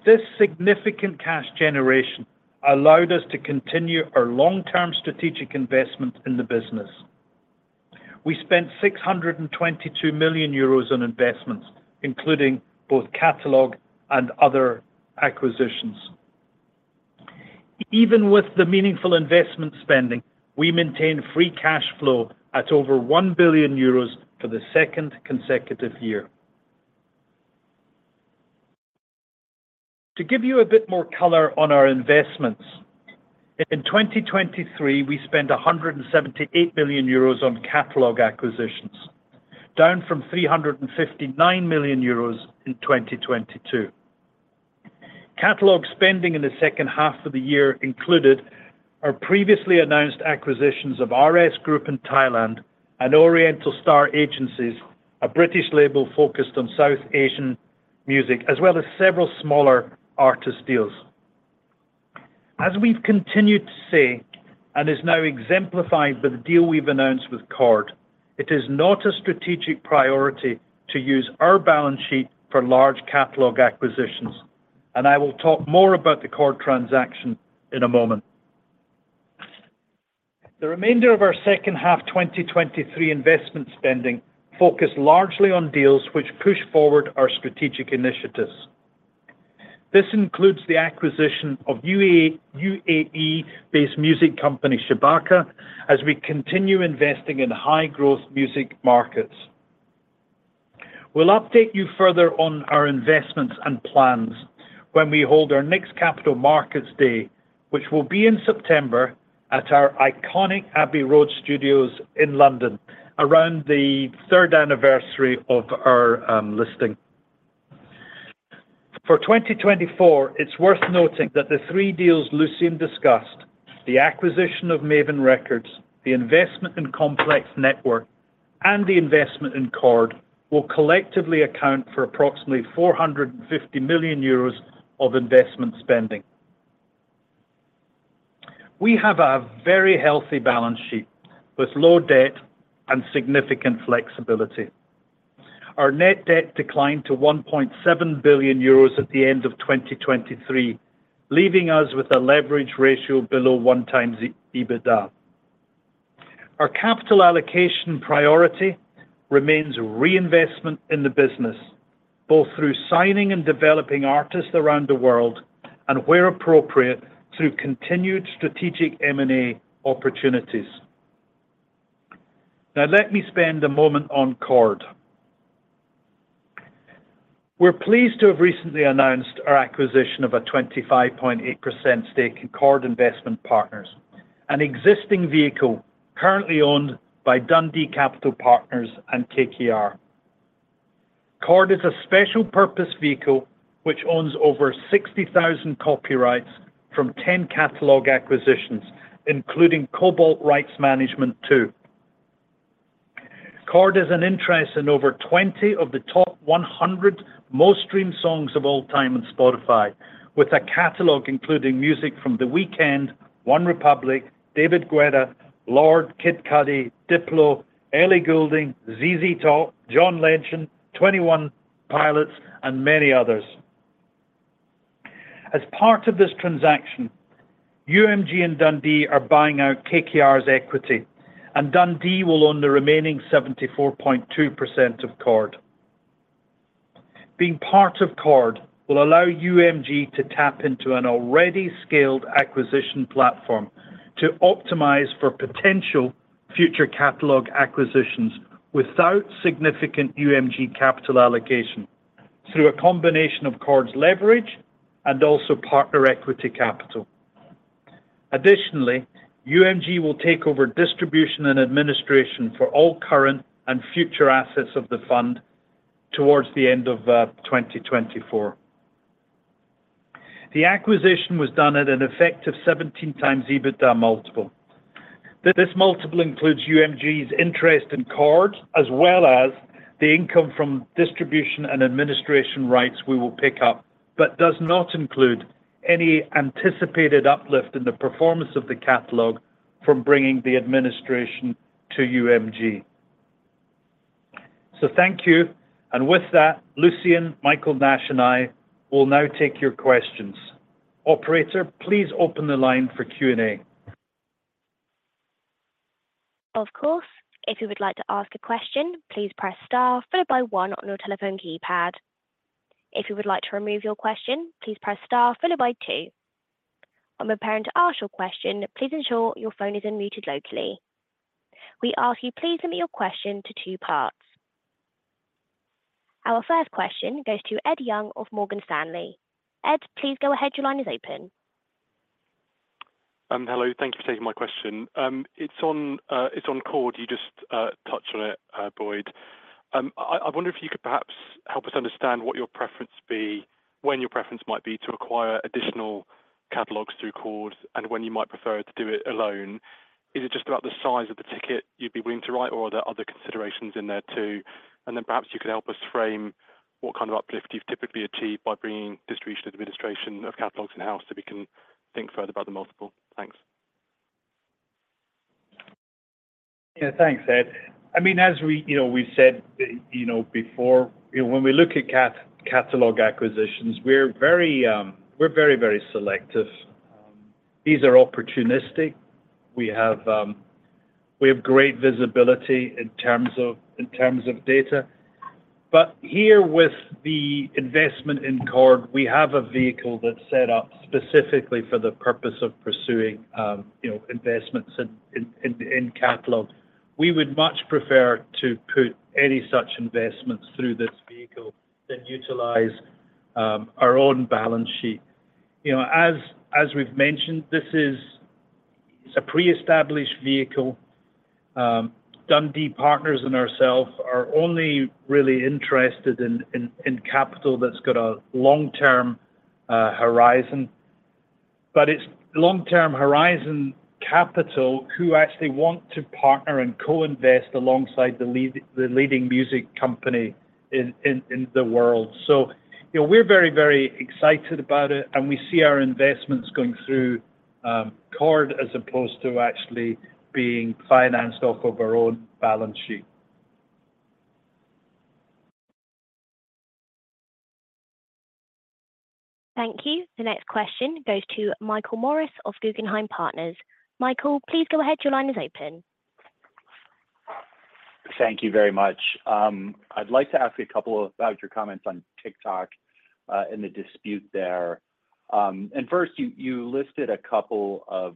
This significant cash generation allowed us to continue our long-term strategic investments in the business. We spent 622 million euros on investments, including both catalog and other acquisitions. Even with the meaningful investment spending, we maintained free cash flow at over 1 billion euros for the second consecutive year. To give you a bit more color on our investments, in 2023, we spent 178 million euros on catalog acquisitions, down from 359 million euros in 2022. Catalog spending in the second half of the year included our previously announced acquisitions of RS Group in Thailand and Oriental Star Agencies, a British label focused on South Asian music, as well as several smaller artist deals. As we've continued to say and is now exemplified by the deal we've announced with Chord, it is not a strategic priority to use our balance sheet for large catalog acquisitions. I will talk more about the Chord transaction in a moment. The remainder of our second half 2023 investment spending focused largely on deals which push forward our strategic initiatives. This includes the acquisition of UAE-based music company Chabaka as we continue investing in high-growth music markets. We'll update you further on our investments and plans when we hold our next Capital Markets Day, which will be in September at our iconic Abbey Road Studios in London, around the third anniversary of our listing. For 2024, it's worth noting that the three deals Lucian discussed - the acquisition of Mavin Records, the investment in Complex Networks, and the investment in Chord - will collectively account for approximately 450 million euros of investment spending. We have a very healthy balance sheet with low debt and significant flexibility. Our net debt declined to 1.7 billion euros at the end of 2023, leaving us with a leverage ratio below 1x EBITDA. Our capital allocation priority remains reinvestment in the business, both through signing and developing artists around the world and, where appropriate, through continued strategic M&A opportunities. Now, let me spend a moment on Chord. We're pleased to have recently announced our acquisition of a 25.8% stake in Chord investment partners, an existing vehicle currently owned by Dundee Capital Partners and KKR. Chord is a special-purpose vehicle which owns over 60,000 copyrights from 10 catalogue acquisitions, including Kobalt rights management too. Chord has an interest in over 20 of the top 100 most-streamed songs of all time on Spotify, with a catalogue including music from The Weeknd, OneRepublic, David Guetta, Lorde, Kid Cudi, Diplo, Ellie Goulding, ZZ Top, John Legend, Twenty One Pilots, and many others. As part of this transaction, UMG and Dundee are buying out KKR's equity, and Dundee will own the remaining 74.2% of Chord. Being part of Chord will allow UMG to tap into an already scaled acquisition platform to optimize for potential future catalog acquisitions without significant UMG capital allocation, through a combination of Chord's leverage and also partner equity capital. Additionally, UMG will take over distribution and administration for all current and future assets of the fund towards the end of 2024. The acquisition was done at an effective 17x EBITDA multiple. This multiple includes UMG's interest in Chord, as well as the income from distribution and administration rights we will pick up, but does not include any anticipated uplift in the performance of the catalog from bringing the administration to UMG. So thank you. And with that, Lucian, Michael Nash, and I will now take your questions. Operator, please open the line for Q&A. Of course. If you would like to ask a question, please press star followed by one on your telephone keypad. If you would like to remove your question, please press star followed by two. When preparing to ask your question, please ensure your phone is unmuted locally. We ask you please limit your question to two parts. Our first question goes to Ed Young of Morgan Stanley. Ed, please go ahead. Your line is open. Hello. Thank you for taking my question. It's on Chord. You just touched on it, Boyd. I wonder if you could perhaps help us understand what your preference be when your preference might be to acquire additional catalogs through Chord and when you might prefer to do it alone. Is it just about the size of the ticket you'd be willing to write, or are there other considerations in there too? Then perhaps you could help us frame what kind of uplift you've typically achieved by bringing distribution administration of catalogs in-house so we can think further about the multiple? Thanks. Yeah. Thanks, Ed. I mean, as we've said before, when we look at catalog acquisitions, we're very, very selective. These are opportunistic. We have great visibility in terms of data. But here, with the investment in Chord, we have a vehicle that's set up specifically for the purpose of pursuing investments in catalog. We would much prefer to put any such investments through this vehicle than utilize our own balance sheet. As we've mentioned, this is a pre-established vehicle. Dundee Partners and ourselves are only really interested in capital that's got a long-term horizon. But it's long-term horizon capital who actually want to partner and co-invest alongside the leading music company in the world. So we're very, very excited about it, and we see our investments going through Chord as opposed to actually being financed off of our own balance sheet. Thank you. The next question goes to Michael Morris of Guggenheim Partners. Michael, please go ahead. Your line is open. Thank you very much. I'd like to ask you a couple about your comments on TikTok and the dispute there. And first, you listed a couple of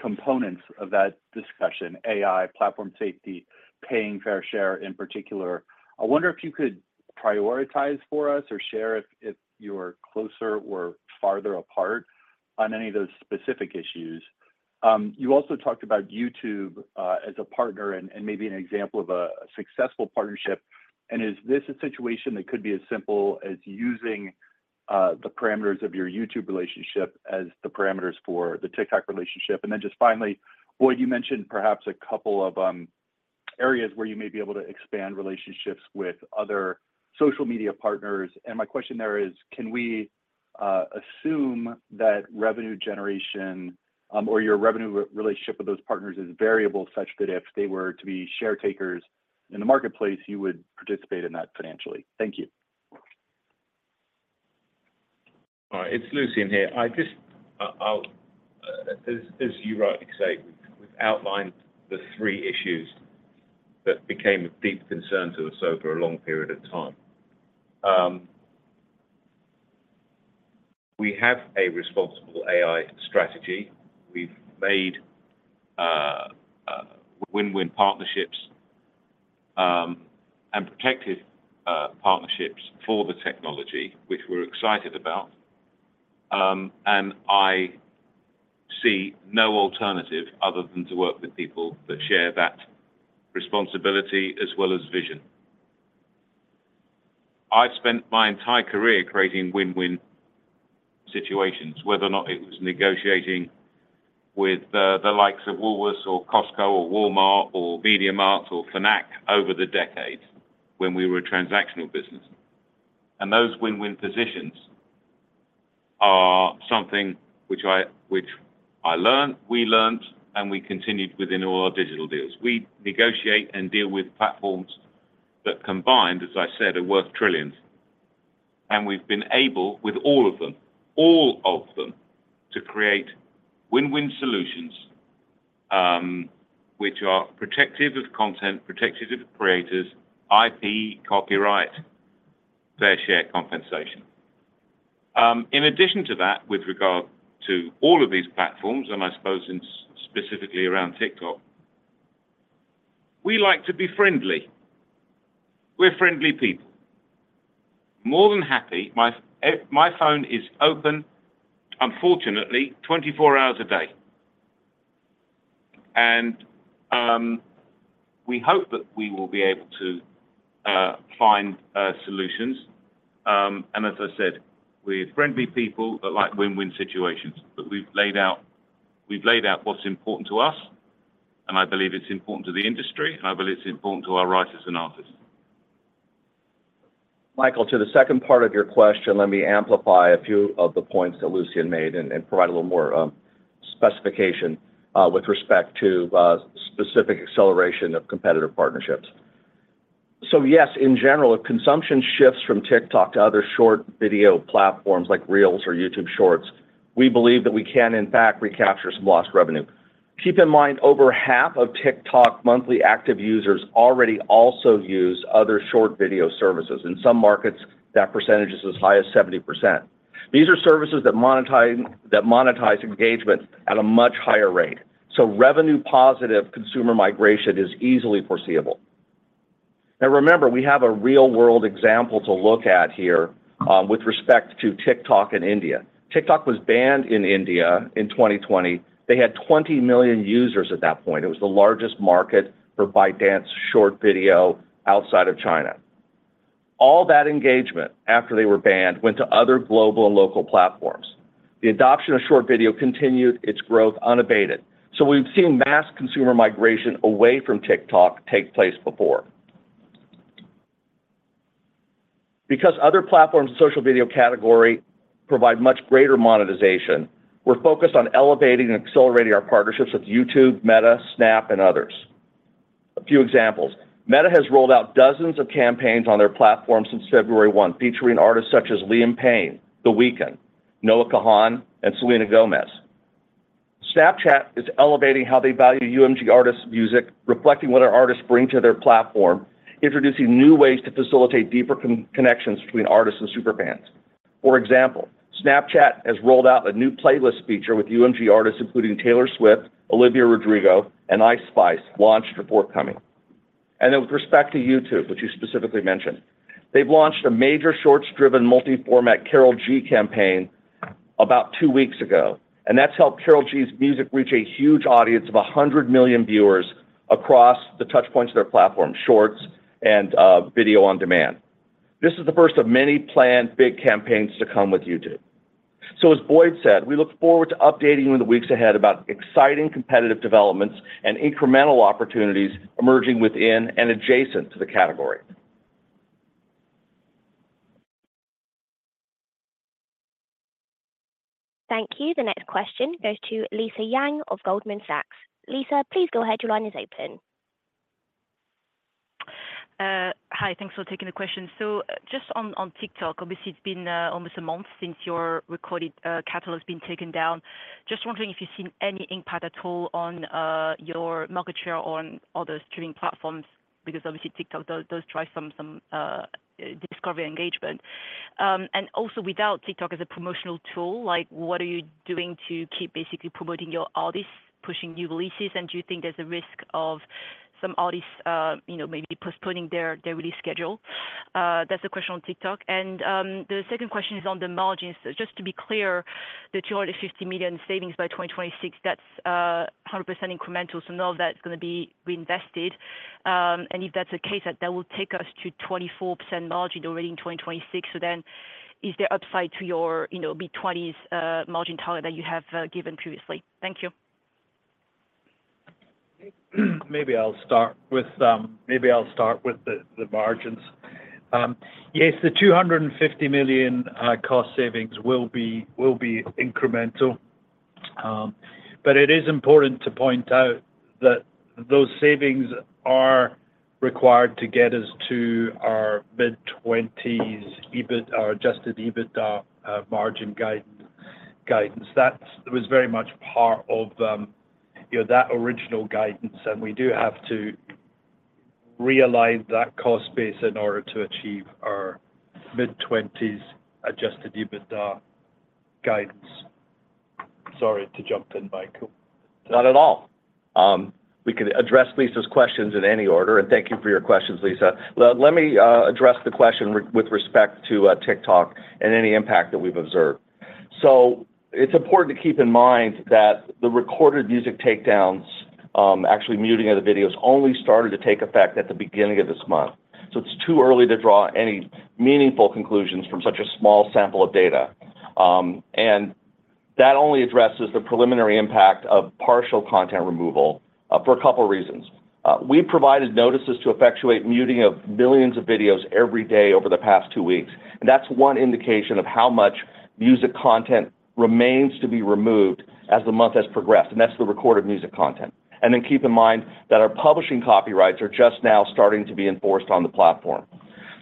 components of that discussion: AI, platform safety, paying fair share in particular. I wonder if you could prioritize for us or share if you're closer or farther apart on any of those specific issues. You also talked about YouTube as a partner and maybe an example of a successful partnership. And is this a situation that could be as simple as using the parameters of your YouTube relationship as the parameters for the TikTok relationship? Then just finally, Boyd, you mentioned perhaps a couple of areas where you may be able to expand relationships with other social media partners. My question there is, can we assume that revenue generation or your revenue relationship with those partners is variable such that if they were to be share-takers in the marketplace, you would participate in that financially? Thank you. All right. It's Lucian here. As you rightly say, we've outlined the three issues that became of deep concern to us over a long period of time. We have a responsible AI strategy. We've made win-win partnerships and protected partnerships for the technology, which we're excited about. I see no alternative other than to work with people that share that responsibility as well as vision. I've spent my entire career creating win-win situations, whether or not it was negotiating with the likes of Woolworths or Costco or Walmart or MediaMarkt or Fnac over the decades when we were a transactional business. Those win-win positions are something which I learned, we learned, and we continued with in all our digital deals. We negotiate and deal with platforms that combine, as I said, are worth trillions. We've been able, with all of them, all of them, to create win-win solutions which are protective of content, protective of creators, IP, copyright, fair share compensation. In addition to that, with regard to all of these platforms, and I suppose specifically around TikTok, we like to be friendly. We're friendly people. More than happy, my phone is open, unfortunately, 24 hours a day. We hope that we will be able to find solutions. As I said, we're friendly people that like win-win situations. But we've laid out what's important to us, and I believe it's important to the industry, and I believe it's important to our writers and artists. Michael, to the second part of your question, let me amplify a few of the points that Lucian made and provide a little more specification with respect to specific acceleration of competitor partnerships. So yes, in general, if consumption shifts from TikTok to other short video platforms like Reels or YouTube Shorts, we believe that we can, in fact, recapture some lost revenue. Keep in mind, over half of TikTok monthly active users already also use other short video services. In some markets, that percentage is as high as 70%. These are services that monetize engagement at a much higher rate. So revenue-positive consumer migration is easily foreseeable. Now, remember, we have a real-world example to look at here with respect to TikTok in India. TikTok was banned in India in 2020. They had 20 million users at that point. It was the largest market for ByteDance short video outside of China. All that engagement after they were banned went to other global and local platforms. The adoption of short video continued its growth unabated. So we've seen mass consumer migration away from TikTok take place before. Because other platforms in the social video category provide much greater monetization, we're focused on elevating and accelerating our partnerships with YouTube, Meta, Snap, and others. A few examples: Meta has rolled out dozens of campaigns on their platform since February 1, featuring artists such as Liam Payne, The Weeknd, Noah Kahan, and Selena Gomez. Snapchat is elevating how they value UMG artists' music, reflecting what our artists bring to their platform, introducing new ways to facilitate deeper connections between artists and superfans. For example, Snapchat has rolled out a new playlist feature with UMG artists, including Taylor Swift, Olivia Rodrigo, and Ice Spice, launched for forthcoming. And then with respect to YouTube, which you specifically mentioned, they've launched a major shorts-driven, multi-format Karol G campaign about two weeks ago. And that's helped Karol G's music reach a huge audience of 100 million viewers across the touchpoints of their platform, shorts and video on demand. This is the first of many planned big campaigns to come with YouTube. So as Boyd said, we look forward to updating you in the weeks ahead about exciting competitive developments and incremental opportunities emerging within and adjacent to the category. Thank you. The next question goes to Lisa Yang of Goldman Sachs. Lisa, please go ahead. Your line is open. Hi. Thanks for taking the question. So just on TikTok, obviously, it's been almost a month since your recorded catalog has been taken down. Just wondering if you've seen any impact at all on your market share or on other streaming platforms because, obviously, TikTok, those drive some discovery and engagement. And also, without TikTok as a promotional tool, what are you doing to keep basically promoting your artists, pushing new releases? And do you think there's a risk of some artists maybe postponing their release schedule? That's the question on TikTok. And the second question is on the margins. Just to be clear, the 250 million savings by 2026, that's 100% incremental. So none of that's going to be reinvested. And if that's the case, that will take us to 24% margin already in 2026. So then is there upside to your mid-20s margin target that you have given previously? Thank you. Maybe I'll start with the margins. Yes, the 250 million cost savings will be incremental. But it is important to point out that those savings are required to get us to our mid-20s adjusted EBITDA margin guidance. That was very much part of that original guidance. And we do have to realign that cost base in order to achieve our mid-20s adjusted EBITDA guidance. Sorry to jump in, Michael. Not at all. We can address Lisa's questions in any order. And thank you for your questions, Lisa. Let me address the question with respect to TikTok and any impact that we've observed. So it's important to keep in mind that the recorded music takedowns, actually muting of the videos, only started to take effect at the beginning of this month. So it's too early to draw any meaningful conclusions from such a small sample of data. That only addresses the preliminary impact of partial content removal for a couple of reasons. We provided notices to effectuate muting of millions of videos every day over the past two weeks. And that's one indication of how much music content remains to be removed as the month has progressed. And that's the recorded music content. And then keep in mind that our publishing copyrights are just now starting to be enforced on the platform.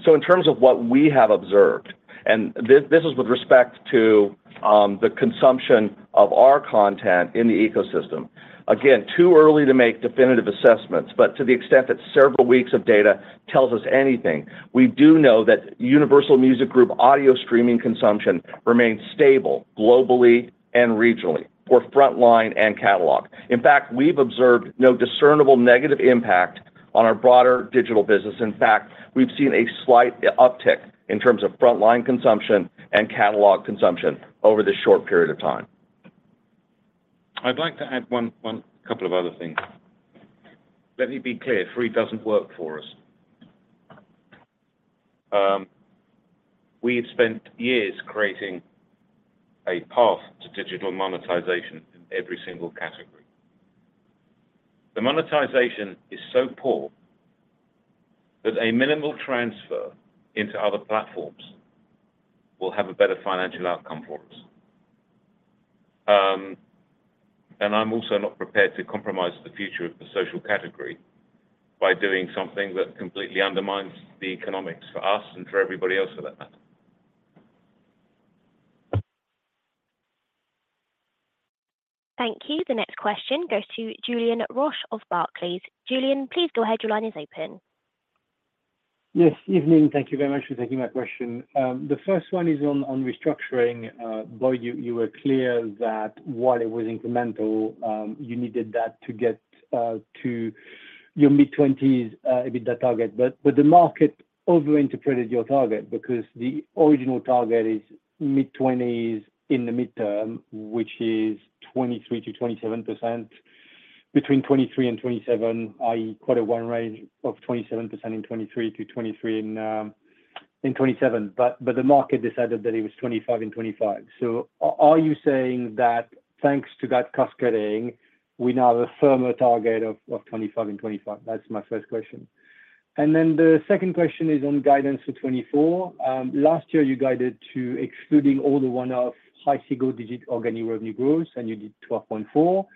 So in terms of what we have observed, and this is with respect to the consumption of our content in the ecosystem. Again, too early to make definitive assessments. But to the extent that several weeks of data tells us anything, we do know that Universal Music Group audio streaming consumption remains stable globally and regionally for frontline and catalogue. In fact, we've observed no discernible negative impact on our broader digital business. In fact, we've seen a slight uptick in terms of frontline consumption and catalogue consumption over this short period of time. I'd like to add one couple of other things. Let me be clear. Free doesn't work for us. We've spent years creating a path to digital monetization in every single category. The monetization is so poor that a minimal transfer into other platforms will have a better financial outcome for us. And I'm also not prepared to compromise the future of the social category by doing something that completely undermines the economics for us and for everybody else for that matter. Thank you. The next question goes to Julien Roch of Barclays. Julien, please go ahead. Your line is open. Yes. Good evening. Thank you very much for taking my question. The first one is on restructuring. Boyd, you were clear that while it was incremental, you needed that to get to your mid-20s EBITDA target. But the market overinterpreted your target because the original target is mid-20s in the midterm, which is 23%-27% between 2023 and 2027, i.e., a range of 27% in 2023 to [23% in] 2027. But the market decided that it was 25% in 2025. So are you saying that thanks to that cascading, we now have a firmer target of 25% in 2025? That's my first question. And then the second question is on guidance for 2024. Last year, you guided to excluding all the one-off high single-digit organic revenue growth, and you did 12.4%. And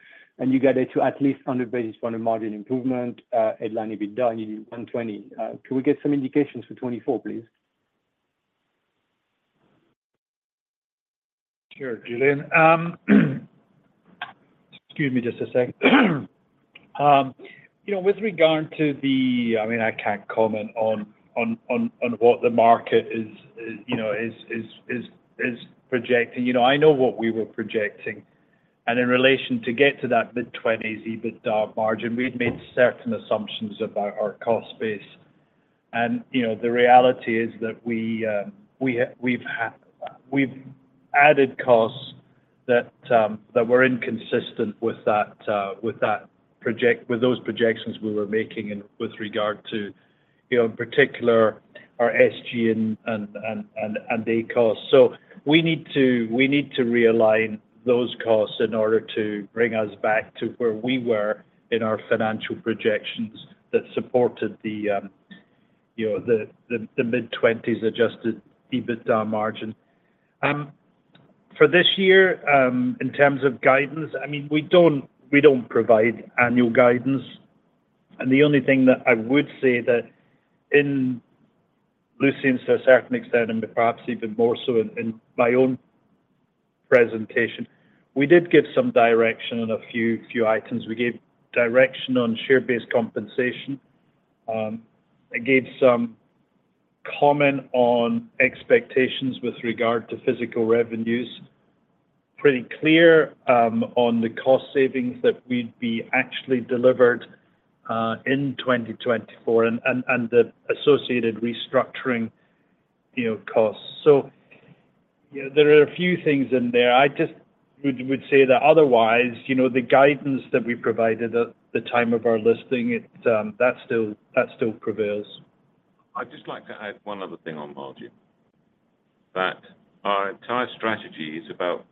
you guided to at least 100 basis points of margin improvement, headline EBITDA, and you did 120. Can we get some indications for 2024, please? Sure, Julien. Excuse me just a sec. With regard to the, I mean, I can't comment on what the market is projecting. I know what we were projecting. And in relation to get to that mid-20s% EBITDA margin, we'd made certain assumptions about our cost base. And the reality is that we've added costs that were inconsistent with those projections we were making with regard to, in particular, our SG&A costs. So we need to realign those costs in order to bring us back to where we were in our financial projections that supported the mid-20s% adjusted EBITDA margin. For this year, in terms of guidance, I mean, we don't provide annual guidance. The only thing that I would say that Lucian says to a certain extent, and perhaps even more so in my own presentation, we did give some direction on a few items. We gave direction on share-based compensation. It gave some comment on expectations with regard to physical revenues, pretty clear on the cost savings that we'd be actually delivered in 2024 and the associated restructuring costs. So there are a few things in there. I just would say that otherwise, the guidance that we provided at the time of our listing, that still prevails. I'd just like to add one other thing on margin. That our entire strategy is about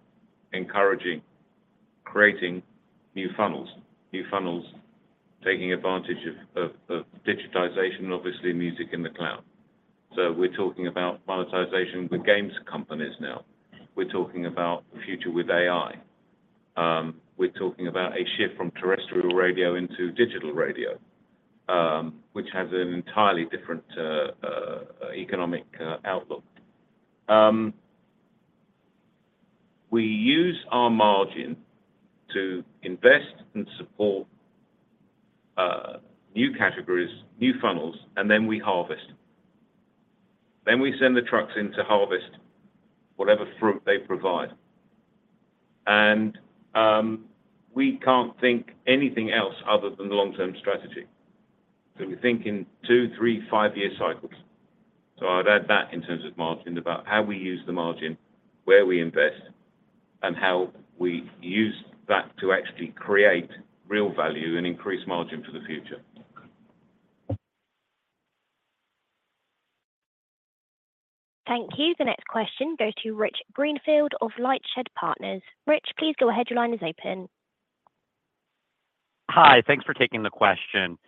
encouraging creating new funnels, taking advantage of digitization, obviously, music in the cloud. So we're talking about monetization with games companies now. We're talking about the future with AI. We're talking about a shift from terrestrial radio into digital radio, which has an entirely different economic outlook. We use our margin to invest and support new categories, new funnels, and then we harvest. Then we send the trucks in to harvest whatever fruit they provide. And we can't think anything else other than the long-term strategy. So we think in two-, three-, five-year cycles. So I'd add that in terms of margin, about how we use the margin, where we invest, and how we use that to actually create real value and increase margin for the future. Thank you. The next question goes to Rich Greenfield of LightShed Partners. Rich, please go ahead. Your line is open. Hi. Thanks for taking the question.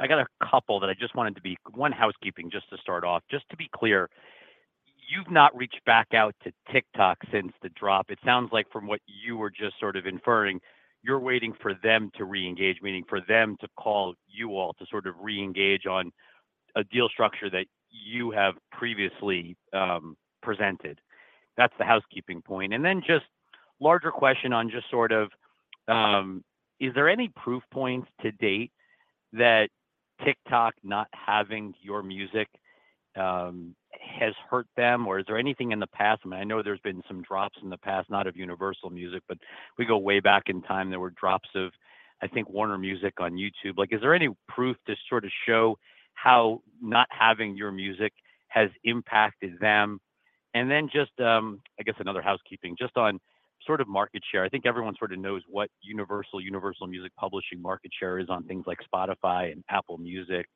I got a couple that I just wanted to be one housekeeping just to start off. Just to be clear, you've not reached back out to TikTok since the drop. It sounds like, from what you were just sort of inferring, you're waiting for them to reengage, meaning for them to call you all to sort of reengage on a deal structure that you have previously presented. That's the housekeeping point. Then just larger question on just sort of is there any proof points to date that TikTok not having your music has hurt them, or is there anything in the past? I mean, I know there's been some drops in the past, not of Universal Music, but we go way back in time. There were drops of, I think, Warner Music on YouTube. Is there any proof to sort of show how not having your music has impacted them? And then just, I guess, another housekeeping, just on sort of market share. I think everyone sort of knows what Universal, Universal Music Publishing market share is on things like Spotify and Apple Music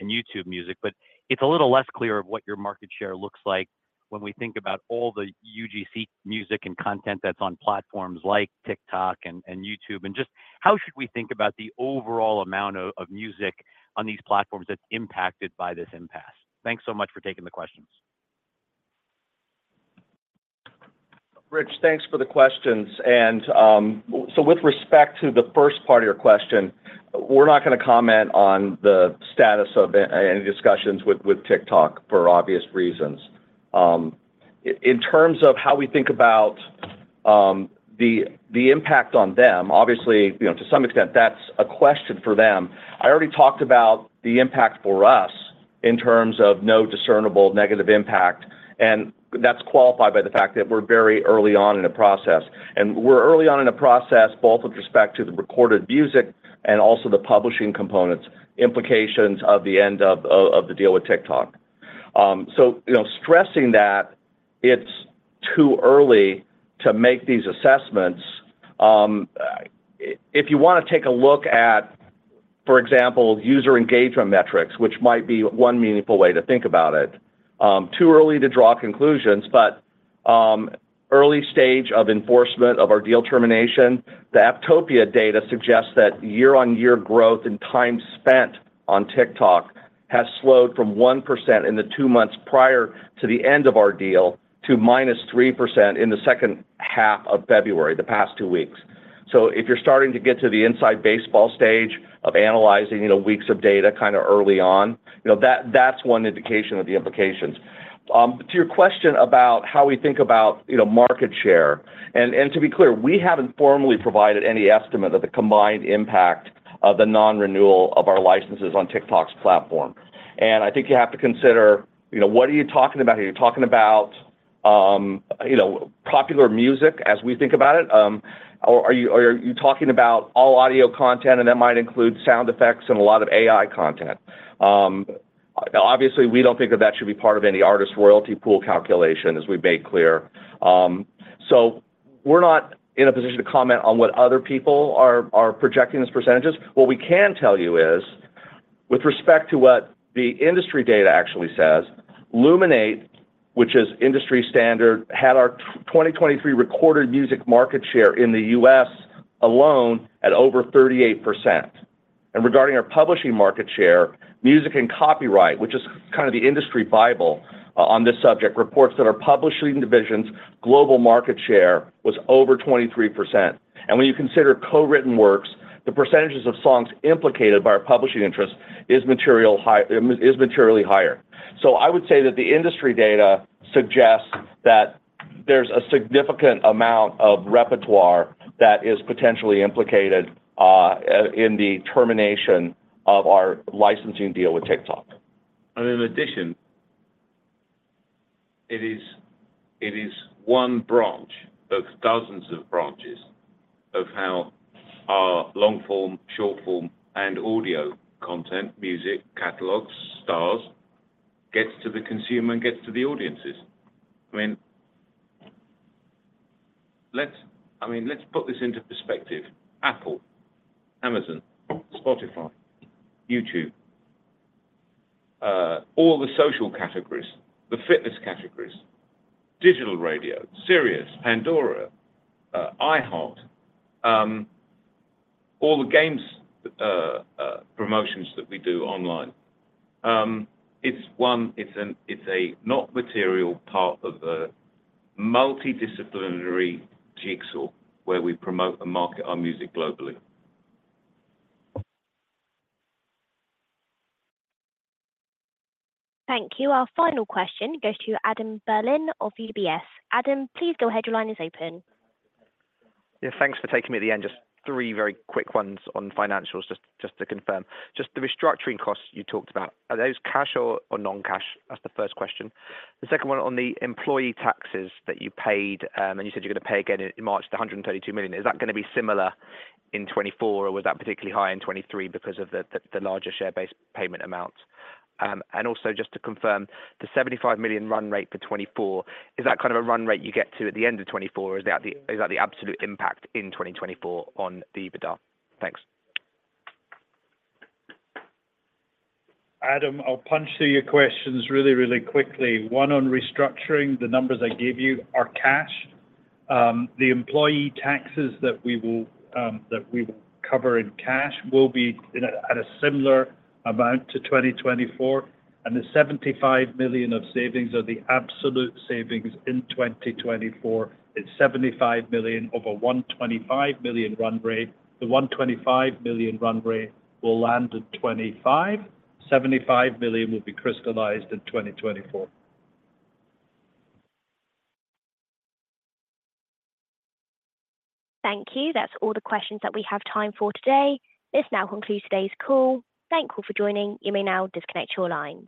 and YouTube Music. But it's a little less clear of what your market share looks like when we think about all the UGC music and content that's on platforms like TikTok and YouTube, and just how should we think about the overall amount of music on these platforms that's impacted by this impasse? Thanks so much for taking the questions. Rich, thanks for the questions. And so with respect to the first part of your question, we're not going to comment on the status of any discussions with TikTok for obvious reasons. In terms of how we think about the impact on them, obviously, to some extent, that's a question for them. I already talked about the impact for us in terms of no discernible negative impact. That's qualified by the fact that we're very early on in the process. We're early on in the process, both with respect to the recorded music and also the publishing components, implications of the end of the deal with TikTok. Stressing that it's too early to make these assessments. If you want to take a look at, for example, user engagement metrics, which might be one meaningful way to think about it, too early to draw conclusions. But early stage of enforcement of our deal termination, the Apptopia data suggests that year-on-year growth and time spent on TikTok has slowed from 1% in the two months prior to the end of our deal to -3% in the second half of February, the past two weeks. So if you're starting to get to the inside baseball stage of analyzing weeks of data kind of early on, that's one indication of the implications. To your question about how we think about market share and to be clear, we haven't formally provided any estimate of the combined impact of the non-renewal of our licences on TikTok's platform. And I think you have to consider, what are you talking about here? Are you talking about popular music as we think about it, or are you talking about all audio content? And that might include sound effects and a lot of AI content. Obviously, we don't think that that should be part of any artist royalty pool calculation, as we've made clear. So we're not in a position to comment on what other people are projecting as percentages. What we can tell you is, with respect to what the industry data actually says, Luminate, which is industry standard, had our 2023 recorded music market share in the U.S. alone at over 38%. And regarding our publishing market share, Music and Copyright, which is kind of the industry bible on this subject, reports that our publishing division's global market share was over 23%. And when you consider co-written works, the percentages of songs implicated by our publishing interest is materially higher. So I would say that the industry data suggests that there's a significant amount of repertoire that is potentially implicated in the termination of our licensing deal with TikTok. And in addition, it is one branch of dozens of branches of how our long-form, short-form, and audio content, music, catalogs, stars, gets to the consumer and gets to the audiences. I mean, let's put this into perspective. Apple, Amazon, Spotify, YouTube, all the social categories, the fitness categories, digital radio, Sirius, Pandora, iHeart, all the games promotions that we do online. It's not a material part of the multidisciplinary jigsaw where we promote and market our music globally. Thank you. Our final question goes to Adam Berlin of UBS. Adam, please go ahead. Your line is open. Yeah. Thanks for taking me at the end. Just three very quick ones on financials just to confirm. Just the restructuring costs you talked about, are those cash or non-cash? That's the first question. The second one on the employee taxes that you paid, and you said you're going to pay again in March, the 132 million. Is that going to be similar in 2024, or was that particularly high in 2023 because of the larger share-based payment amount? And also just to confirm, the 75 million run rate for 2024, is that kind of a run rate you get to at the end of 2024, or is that the absolute impact in 2024 on the EBITDA? Thanks. Adam, I'll punch through your questions really, really quickly. One on restructuring, the numbers I gave you are cash. The employee taxes that we will cover in cash will be at a similar amount to 2024. And the 75 million of savings are the absolute savings in 2024. It's 75 million of a 125 million run rate. The 125 million run rate will land in 2025. 75 million will be crystallised in 2024. Thank you. That's all the questions that we have time for today. This now concludes today's call. Thank you for joining. You may now disconnect your lines.